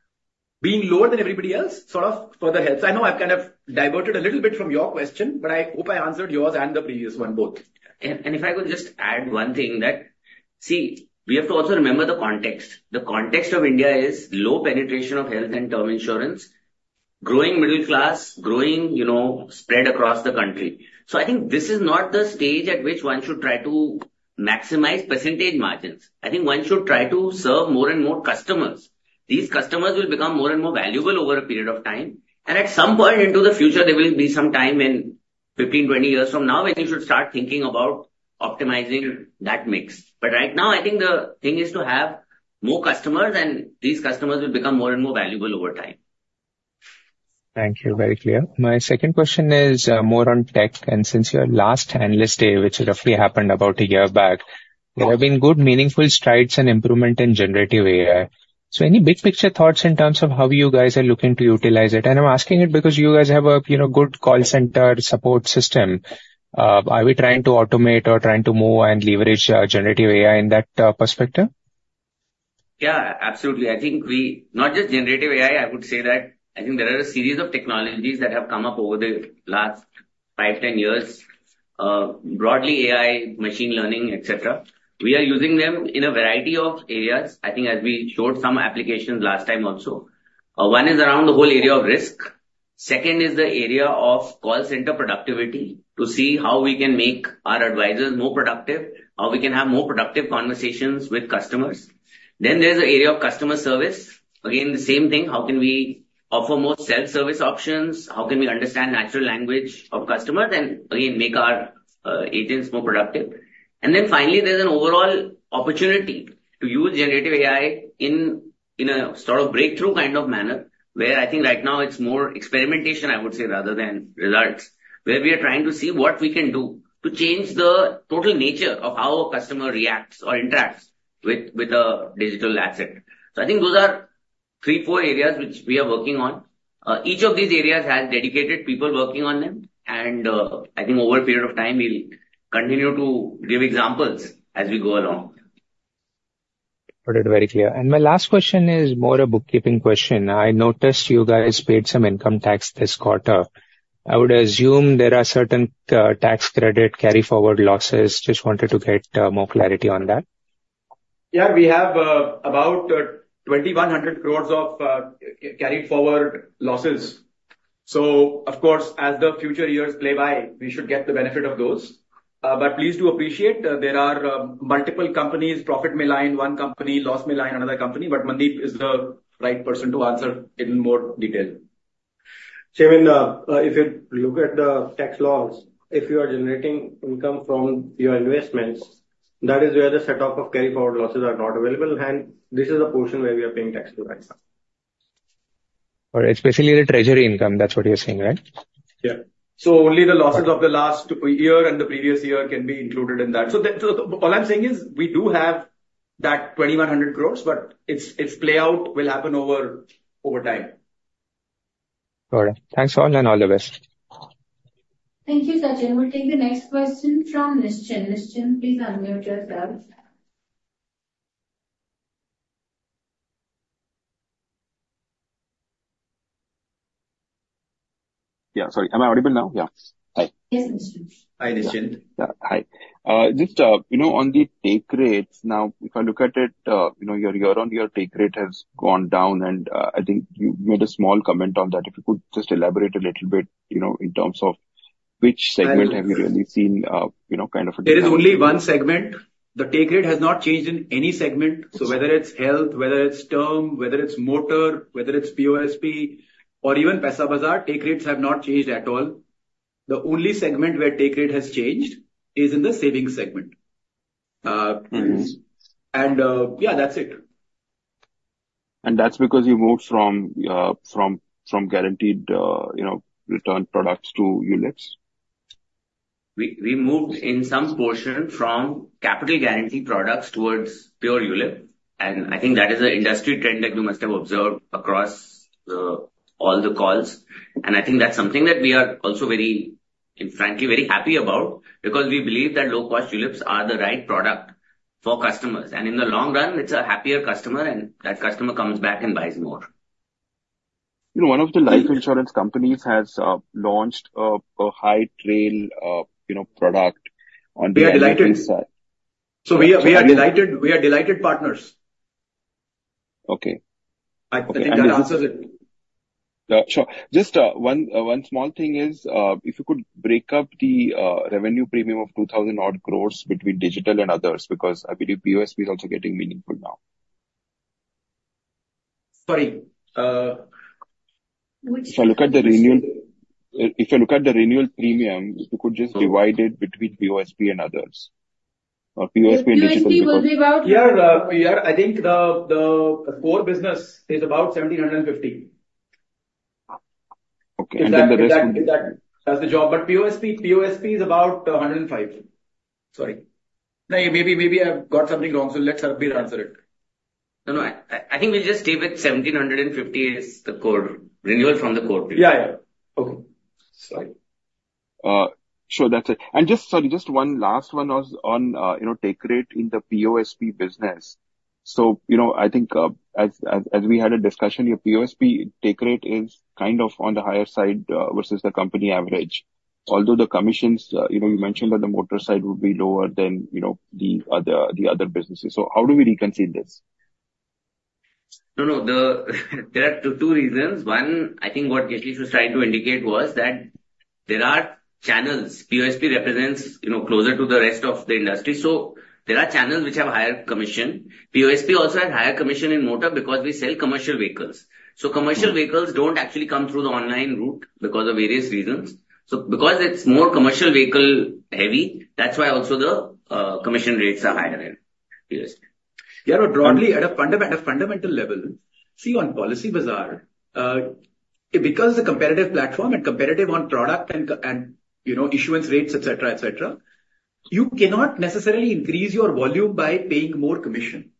being lower than everybody else sort of further helps. I know I've kind of diverted a little bit from your question, but I hope I answered yours and the previous one both. And if I could just add one thing that see, we have to also remember the context. The context of India is low penetration of health and term insurance, growing middle class, growing spread across the country. So I think this is not the stage at which one should try to maximize percentage margins. I think one should try to serve more and more customers. These customers will become more and more valuable over a period of time. And at some point into the future, there will be some time in 15, 20 years from now when you should start thinking about optimizing that mix. But right now, I think the thing is to have more customers. And these customers will become more and more valuable over time. Thank you. Very clear. My second question is more on tech. And since your last analyst day, which roughly happened about a year back, there have been good, meaningful strides and improvement in generative AI. So any big picture thoughts in terms of how you guys are looking to utilize it? And I'm asking it because you guys have a good call center support system. Are we trying to automate or trying to move and leverage generative AI in that perspective? Yeah, absolutely. I think we not just generative AI. I would say that I think there are a series of technologies that have come up over the last five, 10 years, broadly AI, machine learning, etc. We are using them in a variety of areas. I think as we showed some applications last time also, one is around the whole area of risk. Second is the area of call center productivity to see how we can make our advisors more productive, how we can have more productive conversations with customers. Then there's the area of customer service. Again, the same thing. How can we offer more self-service options? How can we understand natural language of customers and again, make our agents more productive? And then finally, there's an overall opportunity to use generative AI in a sort of breakthrough kind of manner where I think right now, it's more experimentation, I would say, rather than results, where we are trying to see what we can do to change the total nature of how a customer reacts or interacts with a digital asset. So I think those are three, four areas which we are working on. Each of these areas has dedicated people working on them. And I think over a period of time, we'll continue to give examples as we go along. Put it very clear. And my last question is more a bookkeeping question. I noticed you guys paid some income tax this quarter. I would assume there are certain tax credit carry-forward losses. Just wanted to get more clarity on that. Yeah, we have about 2,100 crore of carried-forward losses. So of course, as the future years play by, we should get the benefit of those. But please do appreciate there are multiple companies. Profit may lie in one company, loss may lie in another company. But Mandeep is the right person to answer in more detail. See, I mean, if you look at the tax laws, if you are generating income from your investments, that is where the set-off of carry-forward losses are not available. And this is the portion where we are paying tax to right now. All right. Especially the treasury income. That's what you're saying, right? Yeah. So only the losses of the last year and the previous year can be included in that. So all I'm saying is we do have that 2,100 crores, but its playout will happen over time. All right. Thanks all and all the best. Thank you, Sachin. We'll take the next question from Nischint. Nischint, please unmute yourself. Yeah, sorry. Am I audible now? Yeah. Hi. Yes, Nischint. Hi, Nischint. Yeah. Hi. Just on the take rates, now, if I look at it, your year-over-year take rate has gone down. And I think you made a small comment on that. If you could just elaborate a little bit in terms of which segment have you really seen kind of a change? There is only one segment. The take rate has not changed in any segment. So whether it's health, whether it's term, whether it's motor, whether it's POSP, or even Paisabazaar, take rates have not changed at all. The only segment where take rate has changed is in the savings segment. And yeah, that's it. That's because you moved from guaranteed return products to ULIPs? We moved in some portion from capital guarantee products towards pure ULIP. I think that is an industry trend that you must have observed across all the calls. I think that's something that we are also, frankly, very happy about because we believe that low-cost ULIPs are the right product for customers. In the long run, it's a happier customer. That customer comes back and buys more. One of the life insurance companies has launched a high-yield product on the inside. We are delighted partners. Okay. I think that answers it. Sure. Just one small thing is if you could break up the revenue premium of 2,000-odd crores between digital and others because I believe POSP is also getting meaningful now. Sorry. If I look at the renewal premium, if you could just divide it between POSP and others, or POSP and digital because. Yeah, I think the core business is about 1,750. Okay. And then the rest would. And then that does the job. But POSP is about 105. Sorry. No, maybe I've got something wrong. So let Sarbvir answer it. No, no. I think we'll just stay with 1,750, is the core renewal from the core premium. Yeah, yeah. Okay. Sorry. Sure, that's it. Sorry, just one last one on take rate in the POSP business. I think as we had a discussion, your POSP take rate is kind of on the higher side versus the company average, although the commissions you mentioned on the motor side would be lower than the other businesses. How do we reconcile this? No, no. There are two reasons. One, I think what Yashish was trying to indicate was that there are channels. POSP represents closer to the rest of the industry. So there are channels which have higher commission. POSP also has higher commission in motor because we sell commercial vehicles. So commercial vehicles don't actually come through the online route because of various reasons. So because it's more commercial vehicle-heavy, that's why also the commission rates are higher in POSP. Yeah, no, broadly, at a fundamental level, see, on Policybazaar, because it's a competitive platform and competitive on product and issuance rates, etc., etc., you cannot necessarily increase your volume by paying more commission,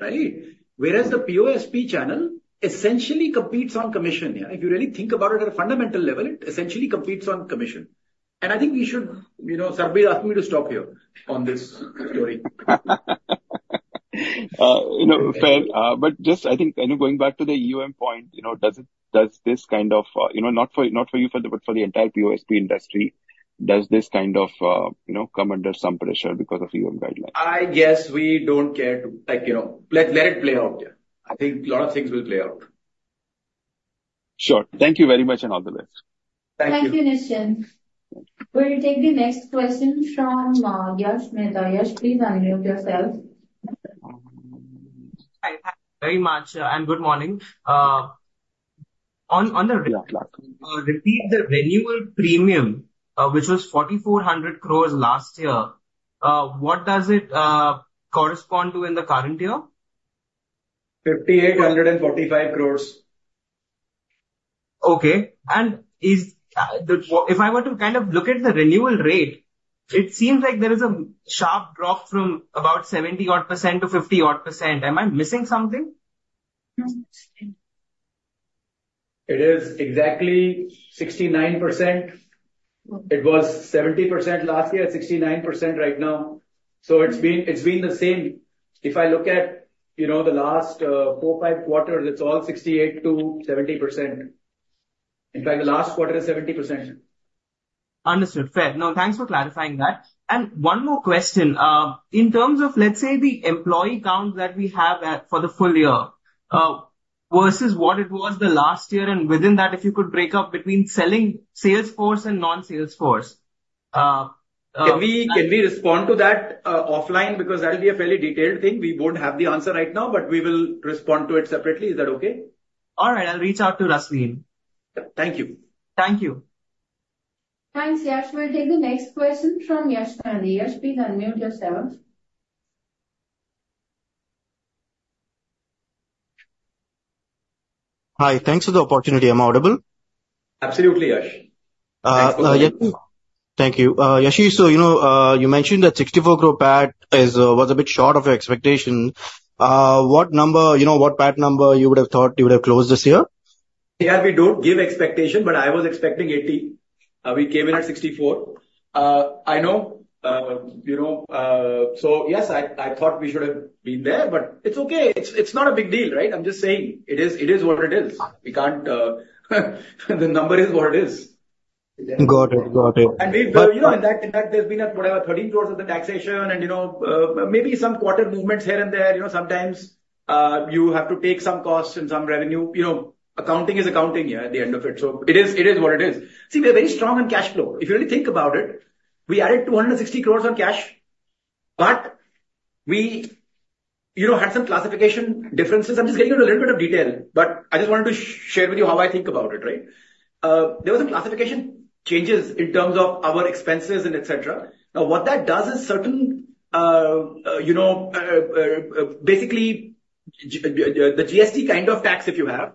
right? Whereas the POSP channel essentially competes on commission, yeah. If you really think about it at a fundamental level, it essentially competes on commission. And I think we should. Sarbvir asked me to stop here on this story. Fair. But just I think going back to the EOM point, does this kind of not for you further, but for the entire POSP industry, does this kind of come under some pressure because of EOM guidelines? I guess we don't care to let it play out, yeah. I think a lot of things will play out. Sure. Thank you very much and all the best. Thank you. Thank you, Nischint. We'll take the next question from Yash Mehta. Yash, please unmute yourself. Hi. Good morning. On the. Yeah, clear. Repeat the renewal premium, which was 4,400 crore last year. What does it correspond to in the current year? 5,845 crores. Okay. And if I were to kind of look at the renewal rate, it seems like there is a sharp drop from about 70-odd% to 50-odd%. Am I missing something? It is exactly 69%. It was 70% last year. It's 69% right now. So it's been the same. If I look at the last four, five quarters, it's all 68%-70%. In fact, the last quarter is 70%. Understood. Fair. No, thanks for clarifying that. And one more question. In terms of, let's say, the employee count that we have for the full year versus what it was the last year. And within that, if you could break up between salesforce and non-salesforce. Can we respond to that offline because that'll be a fairly detailed thing? We won't have the answer right now, but we will respond to it separately. Is that okay? All right. I'll reach out to Rasleen. Thank you. Thank you. Thanks, Yash. We'll take the next question from Yash Gandhi. Yash, please unmute yourself. Hi. Thanks for the opportunity. Am I audible? Absolutely, Yash. Thank you. Yashish, you mentioned that 64 crore PAT was a bit short of your expectation. What PAT number you would have thought you would have closed this year? Yeah, we don't give expectation, but I was expecting 80. We came in at 64. I know. So yes, I thought we should have been there, but it's okay. It's not a big deal, right? I'm just saying it is what it is. The number is what it is. Got it. Got it. In that, there's been whatever, 13 crore of the taxation and maybe some quarter movements here and there. Sometimes you have to take some costs and some revenue. Accounting is accounting, yeah, at the end of it. So it is what it is. See, we are very strong on cash flow. If you really think about it, we added 260 crore on cash, but we had some classification differences. I'm just getting into a little bit of detail, but I just wanted to share with you how I think about it, right? There were some classification changes in terms of our expenses and etc. Now, what that does is certain basically, the GST kind of tax if you have,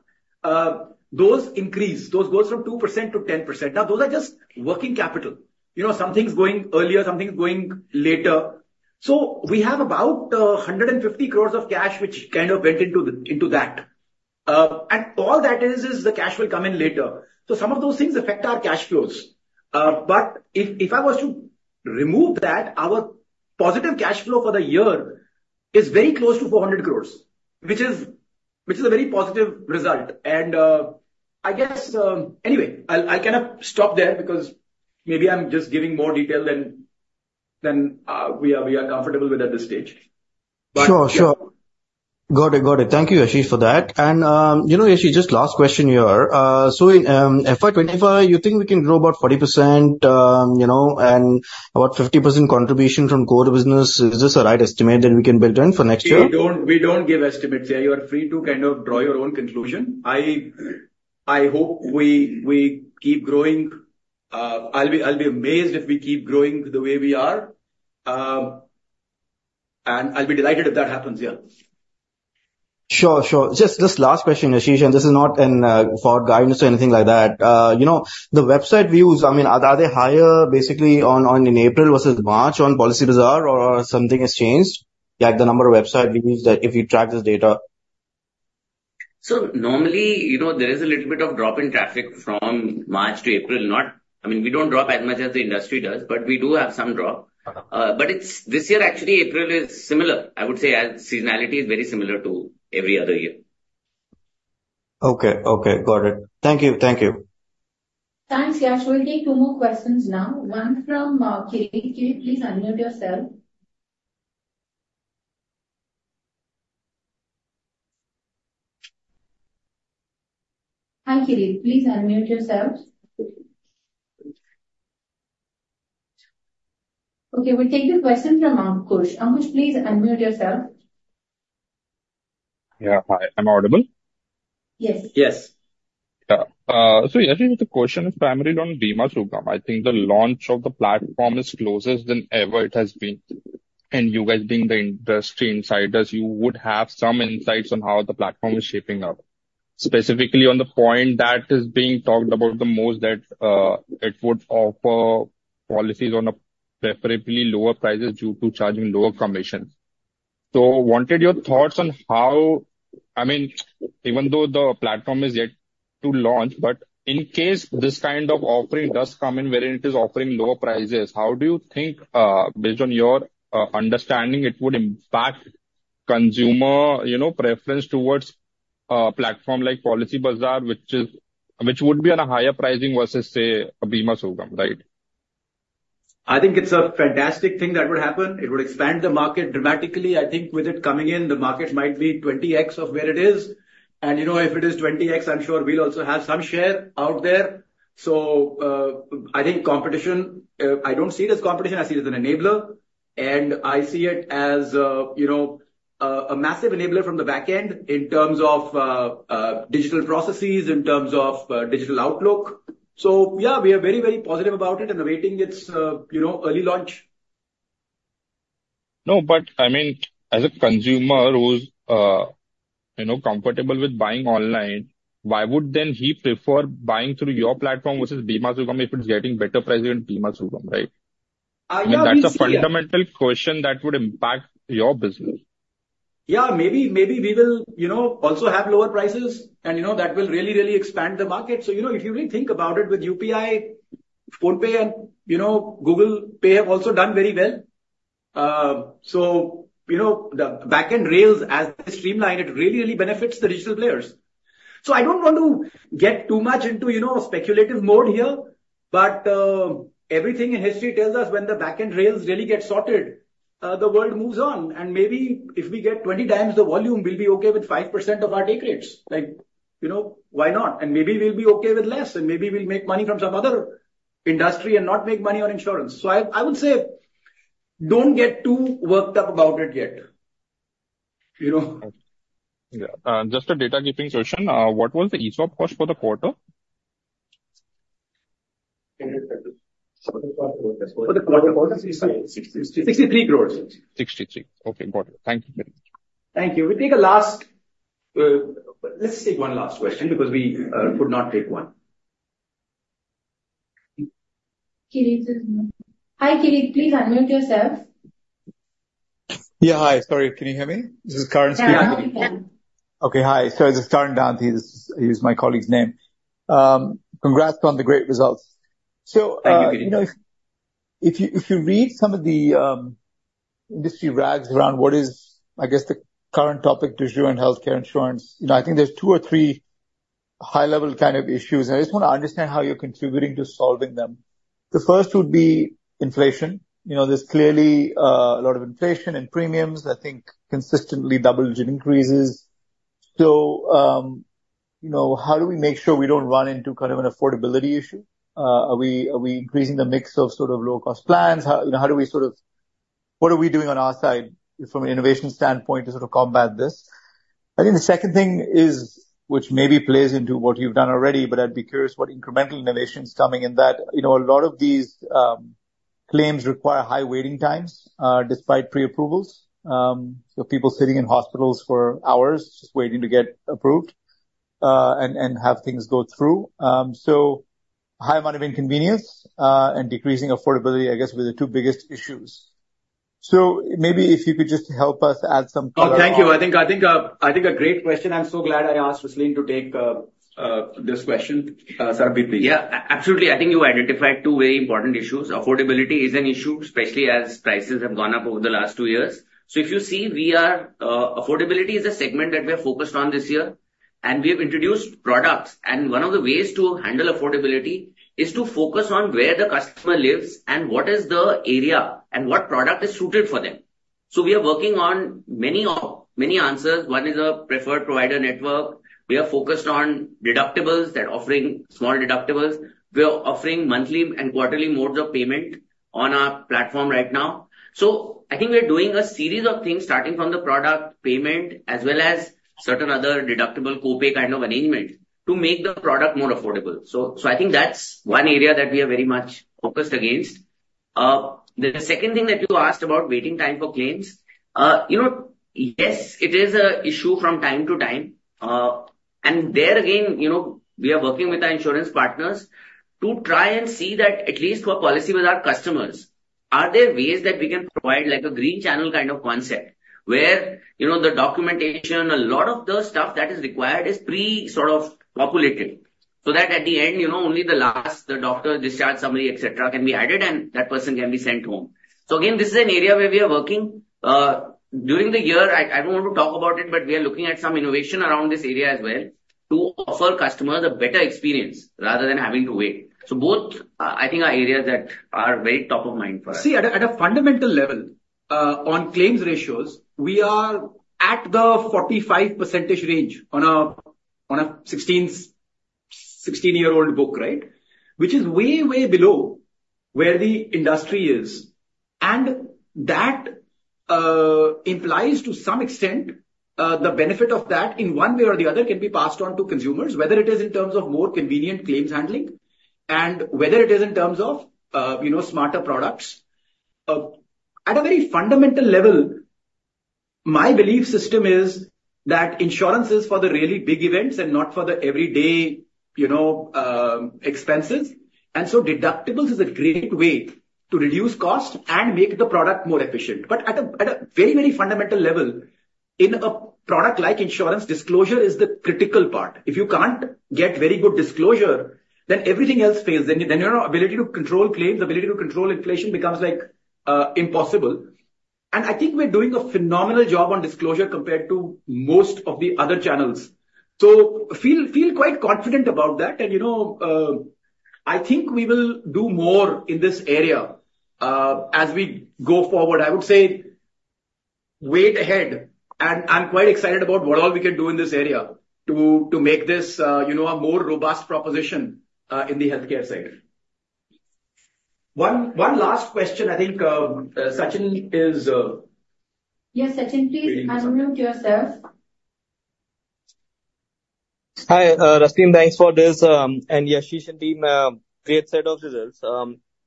those increase. Those go from 2%-10%. Now, those are just working capital. Something's going earlier. Something's going later. So we have about 150 crores of cash, which kind of went into that. And all that is, is the cash will come in later. So some of those things affect our cash flows. But if I was to remove that, our positive cash flow for the year is very close to 400 crores, which is a very positive result. And I guess anyway, I'll kind of stop there because maybe I'm just giving more detail than we are comfortable with at this stage. Sure, sure. Got it. Got it. Thank you, Yashish, for that. And Yashish, just last question here. So FY 2025, you think we can grow about 40% and about 50% contribution from core business? Is this a right estimate that we can build in for next year? We don't give estimates here. You are free to kind of draw your own conclusion. I hope we keep growing. I'll be amazed if we keep growing the way we are. I'll be delighted if that happens, yeah. Sure, sure. Just last question, Yashish. This is not for guidance or anything like that. The website views, I mean, are they higher basically in April versus March on Policybazaar, or something has changed? Like the number of website views that if you track this data. So normally, there is a little bit of drop in traffic from March to April. I mean, we don't drop as much as the industry does, but we do have some drop. But this year, actually, April is similar. I would say seasonality is very similar to every other year. Okay. Okay. Got it. Thank you. Thank you. Thanks, Yash. We'll take two more questions now. One from Kirit. Kirit, please unmute yourself. Hi, Kirit. Please unmute yourself. Okay. We'll take the question from Ankush. Ankush, please unmute yourself. Yeah. Hi. Am I audible? Yes. Yes. So Yashish, the question is primarily on Bima Sugam. I think the launch of the platform is closest than ever it has been. And you guys being the industry insiders, you would have some insights on how the platform is shaping up, specificaly on the point that is being talked about the most, that it would offer policies on preferably lower prices due to charging lower commissions. So wanted your thoughts on how I mean, even though the platform is yet to launch, but in case this kind of offering does come in wherein it is offering lower prices, how do you think, based on your understanding, it would impact consumer preference towards a platform like Policybazaar, which would be on a higher pricing versus, say, Bima Sugam, right? I think it's a fantastic thing that would happen. It would expand the market dramatically. I think with it coming in, the market might be 20x of where it is. And if it is 20x, I'm sure we'll also have some share out there. So I think competition I don't see it as competition. I see it as an enabler. And I see it as a massive enabler from the back end in terms of digital processes, in terms of digital outlook. So yeah, we are very, very positive about it and awaiting its early launch. No, but I mean, as a consumer who's comfortable with buying online, why would then he prefer buying through your platform versus Bima Sugam if it's getting better pricing in Bima Sugam, right? I mean, that's a fundamental question that would impact your business. Yeah, maybe we will also have lower prices, and that will really, really expand the market. So if you really think about it, with UPI, PhonePe, and Google Pay have also done very well. So the back-end rails, as they streamline, it really, really benefits the digital players. So I don't want to get too much into speculative mode here, but everything in history tells us when the back-end rails really get sorted, the world moves on. And maybe if we get 20x the volume, we'll be okay with 5% of our take rates. Why not? And maybe we'll be okay with less. And maybe we'll make money from some other industry and not make money on insurance. So I would say don't get too worked up about it yet. Yeah. Just a data-keeping question. What was the ESOP cost for the quarter? For the quarter? 63 crore. Okay. Got it. Thank you very much. Thank you. Let's take one last question because we could not take one. Hi, Kirit. Please unmute yourself. Yeah, hi. Sorry. Can you hear me? This is Karan speaking. Yeah, I can hear you. Okay. Hi. So this is Karan Danthi. He's my colleague's name. Congrats on the great results. So if you read some of the industry rags around what is, I guess, the current topic du jour in healthcare insurance, I think there's two or three high-level kind of issues. And I just want to understand how you're contributing to solving them. The first would be inflation. There's clearly a lot of inflation and premiums, I think, consistently double-digit increases. So how do we make sure we don't run into kind of an affordability issue? Are we increasing the mix of sort of low-cost plans? How do we sort of what are we doing on our side from an innovation standpoint to sort of combat this? I think the second thing is, which maybe plays into what you've done already, but I'd be curious what incremental innovation is coming in that a lot of these claims require high waiting times despite pre-approvals. So people sitting in hospitals for hours just waiting to get approved and have things go through. So high amount of inconvenience and decreasing affordability, I guess, were the two biggest issues. So maybe if you could just help us add some color. Oh, thank you. I think a great question. I'm so glad I asked Rasleen to take this question. Sarbvir, please. Yeah, absolutely. I think you identified two very important issues. Affordability is an issue, especially as prices have gone up over the last two years. So if you see, affordability is a segment that we are focused on this year. We have introduced products. One of the ways to handle affordability is to focus on where the customer lives and what is the area and what product is suited for them. So we are working on many answers. One is a preferred provider network. We are focused on deductibles that are offering small deductibles. We are offering monthly and quarterly modes of payment on our platform right now. So I think we are doing a series of things starting from the product payment as well as certain other deductible copay kind of arrangement to make the product more affordable. So I think that's one area that we are very much focused against. The second thing that you asked about waiting time for claims, yes, it is an issue from time to time. And there again, we are working with our insurance partners to try and see that at least for Policybazaar customers, are there ways that we can provide a green channel kind of concept where the documentation, a lot of the stuff that is required is pre-sort of populated so that at the end, only the last doctor discharge summary, etc. Can be added, and that person can be sent home. So again, this is an area where we are working. During the year, I don't want to talk about it, but we are looking at some innovation around this area as well to offer customers a better experience rather than having to wait. Both, I think, are areas that are very top of mind for us. See, at a fundamental level, on claims ratios, we are at the 45% range on a 16-year-old book, right, which is way, way below where the industry is. That implies, to some extent, the benefit of that in one way or the other can be passed on to consumers, whether it is in terms of more convenient claims handling and whether it is in terms of smarter products. At a very fundamental level, my belief system is that insurance is for the really big events and not for the everyday expenses. So deductibles is a great way to reduce cost and make the product more efficient. At a very, very fundamental level, in a product like insurance, disclosure is the critical part. If you can't get very good disclosure, then everything else fails. Then your ability to control claims, ability to control inflation becomes impossible. I think we're doing a phenomenal job on disclosure compared to most of the other channels. So feel quite confident about that. I think we will do more in this area as we go forward. I would say wait ahead. I'm quite excited about what all we can do in this area to make this a more robust proposition in the healthcare side. One last question, I think. Sachin is. Yes, Sachin, please unmute yourself. Hi, Rasleen. Thanks for this. And Yashish and team, great set of results.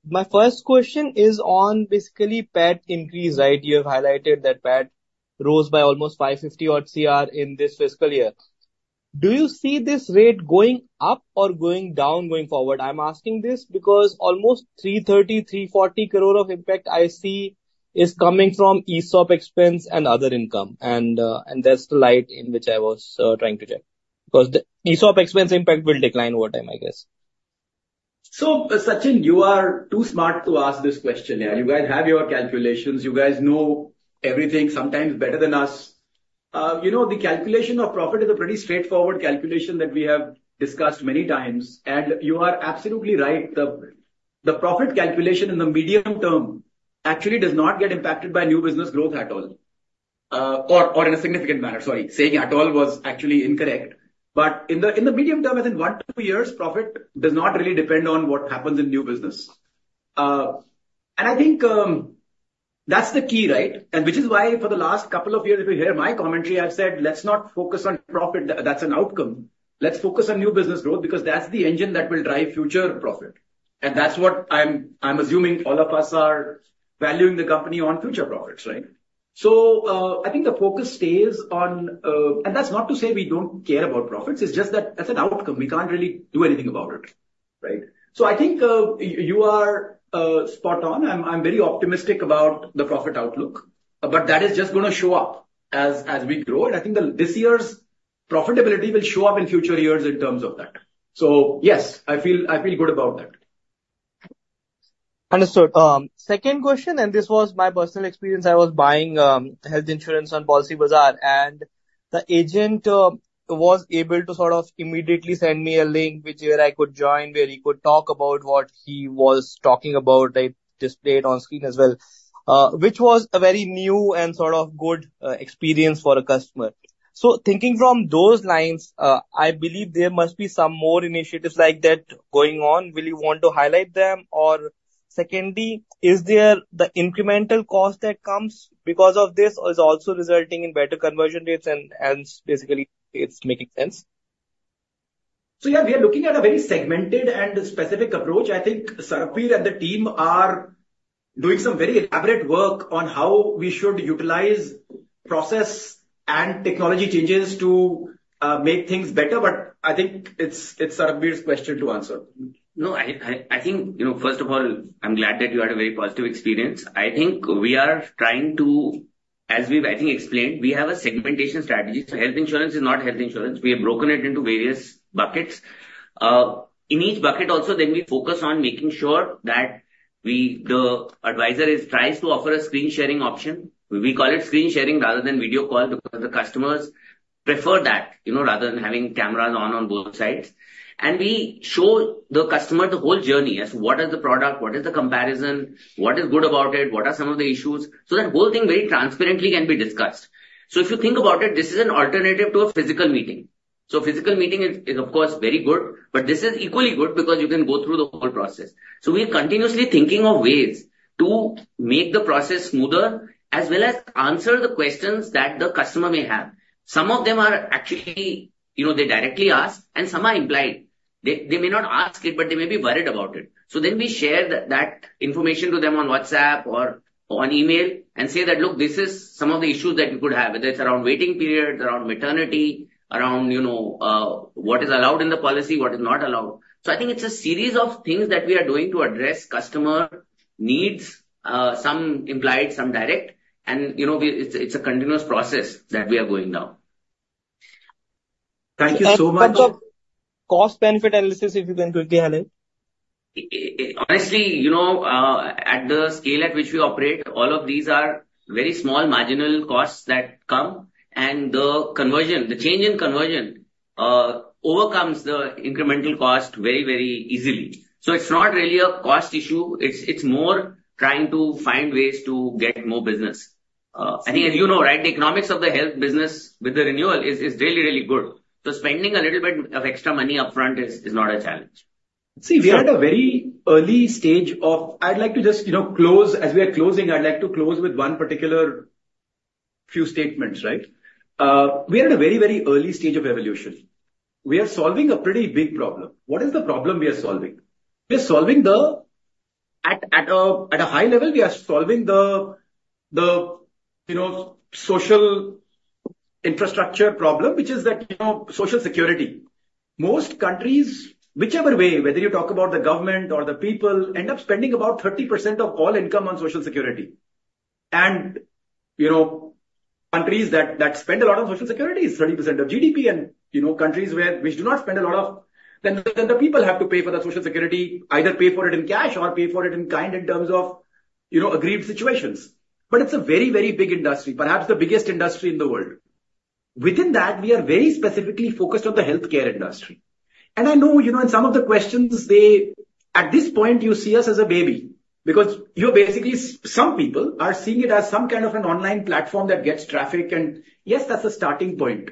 My first question is on basically PAT increase, right? You have highlighted that PAT rose by almost 550 odd crore in this fiscal year. Do you see this rate going up or going down going forward? I'm asking this because almost 330-340 crore of impact I see is coming from ESOP expense and other income. And that's the light in which I was trying to check because the ESOP expense impact will decline over time, I guess. So Sachin, you are too smart to ask this question here. You guys have your calculations. You guys know everything sometimes better than us. The calculation of profit is a pretty straightforward calculation that we have discussed many times. And you are absolutely right. The profit calculation in the medium term actually does not get impacted by new business growth at all or in a significant manner. Sorry, saying at all was actually incorrect. But in the medium term, within one to two years, profit does not really depend on what happens in new business. And I think that's the key, right, which is why for the last couple of years, if you hear my commentary, I've said, "Let's not focus on profit. That's an outcome. Let's focus on new business growth because that's the engine that will drive future profit. And that's what I'm assuming all of us are valuing the company on future profits, right? So I think the focus stays on and that's not to say we don't care about profits. It's just that that's an outcome. We can't really do anything about it, right? So I think you are spot on. I'm very optimistic about the profit outlook, but that is just going to show up as we grow. And I think this year's profitability will show up in future years in terms of that. So yes, I feel good about that. Understood. Second question, and this was my personal experience. I was buying health insurance on Policybazaar, and the agent was able to sort of immediately send me a link which where I could join, where he could talk about what he was talking about. I displayed it on screen as well, which was a very new and sort of good experience for a customer. So thinking from those lines, I believe there must be some more initiatives like that going on. Will you want to highlight them? Or secondly, is there the incremental cost that comes because of this is also resulting in better conversion rates? And basically, it's making sense. So yeah, we are looking at a very segmented and specific approach. I think Sarbvir and the team are doing some very elaborate work on how we should utilize process and technology changes to make things better. I think it's Sarbvir's question to answer. No, I think first of all, I'm glad that you had a very positive experience. I think we are trying to, as we've, I think, explained, we have a segmentation strategy. So health insurance is not health insurance. We have broken it into various buckets. In each bucket also, then we focus on making sure that the advisor tries to offer a screen-sharing option. We call it screen-sharing rather than video call because the customers prefer that rather than having cameras on on both sides. And we show the customer the whole journey as what is the product, what is the comparison, what is good about it, what are some of the issues so that whole thing very transparently can be discussed. So if you think about it, this is an alternative to a physical meeting. So physical meeting is, of course, very good, but this is equally good because you can go through the whole process. So we are continuously thinking of ways to make the process smoother as well as answer the questions that the customer may have. Some of them are actually they directly ask, and some are implied. They may not ask it, but they may be worried about it. So then we share that information to them on WhatsApp or on email and say that, "Look, this is some of the issues that you could have, whether it's around waiting periods, around maternity, around what is allowed in the policy, what is not allowed." So I think it's a series of things that we are doing to address customer needs, some implied, some direct. And it's a continuous process that we are going down. Thank you so much. A bunch of cost-benefit analysis, if you can quickly highlight. Honestly, at the scale at which we operate, all of these are very small marginal costs that come. The change in conversion overcomes the incremental cost very, very easily. It's not really a cost issue. It's more trying to find ways to get more business. I think, as you know, right, the economics of the health business with the renewal is really, really good. Spending a little bit of extra money upfront is not a challenge. See, we are at a very early stage. I'd like to close with one particular few statements, right? We are at a very, very early stage of evolution. We are solving a pretty big problem. What is the problem we are solving? At a high level, we are solving the social infrastructure problem, which is that social security. Most countries, whichever way, whether you talk about the government or the people, end up spending about 30% of all income on social security. Countries that spend a lot on social security is 30% of GDP. Countries which do not spend a lot of, then the people have to pay for the social security, either pay for it in cash or pay for it in kind in terms of agreed situations. But it's a very, very big industry, perhaps the biggest industry in the world. Within that, we are very specifically focused on the healthcare industry. And I know in some of the questions, at this point, you see us as a baby because some people are seeing it as some kind of an online platform that gets traffic. And yes, that's a starting point.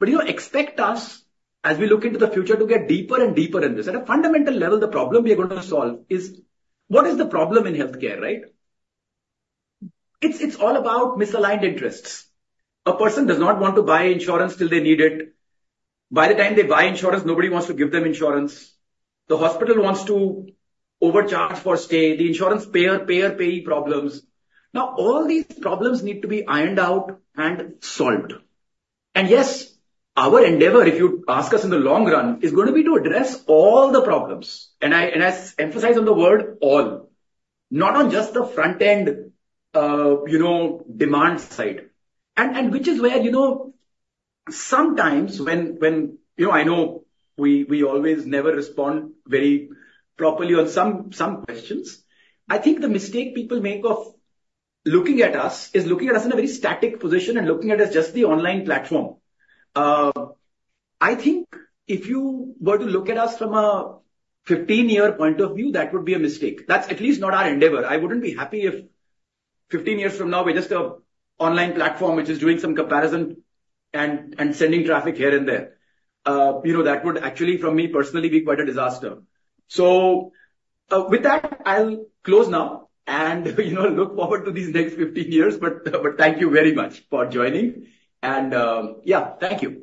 But expect us, as we look into the future, to get deeper and deeper in this. At a fundamental level, the problem we are going to solve is what is the problem in healthcare, right? It's all about misaligned interests. A person does not want to buy insurance till they need it. By the time they buy insurance, nobody wants to give them insurance. The hospital wants to overcharge for stay. The insurance payer, payer, payee problems. Now, all these problems need to be ironed out and solved. Yes, our endeavor, if you ask us in the long run, is going to be to address all the problems. I emphasize on the word all, not on just the front-end demand side, which is where sometimes when I know we always never respond very properly on some questions. I think the mistake people make of looking at us is looking at us in a very static position and looking at us just the online platform. I think if you were to look at us from a 15-year point of view, that would be a mistake. That's at least not our endeavor. I wouldn't be happy if 15 years from now, we're just an online platform which is doing some comparison and sending traffic here and there. That would actually, from me personally, be quite a disaster. With that, I'll close now and look forward to these next 15 years. Thank you very much for joining. Yeah, thank you.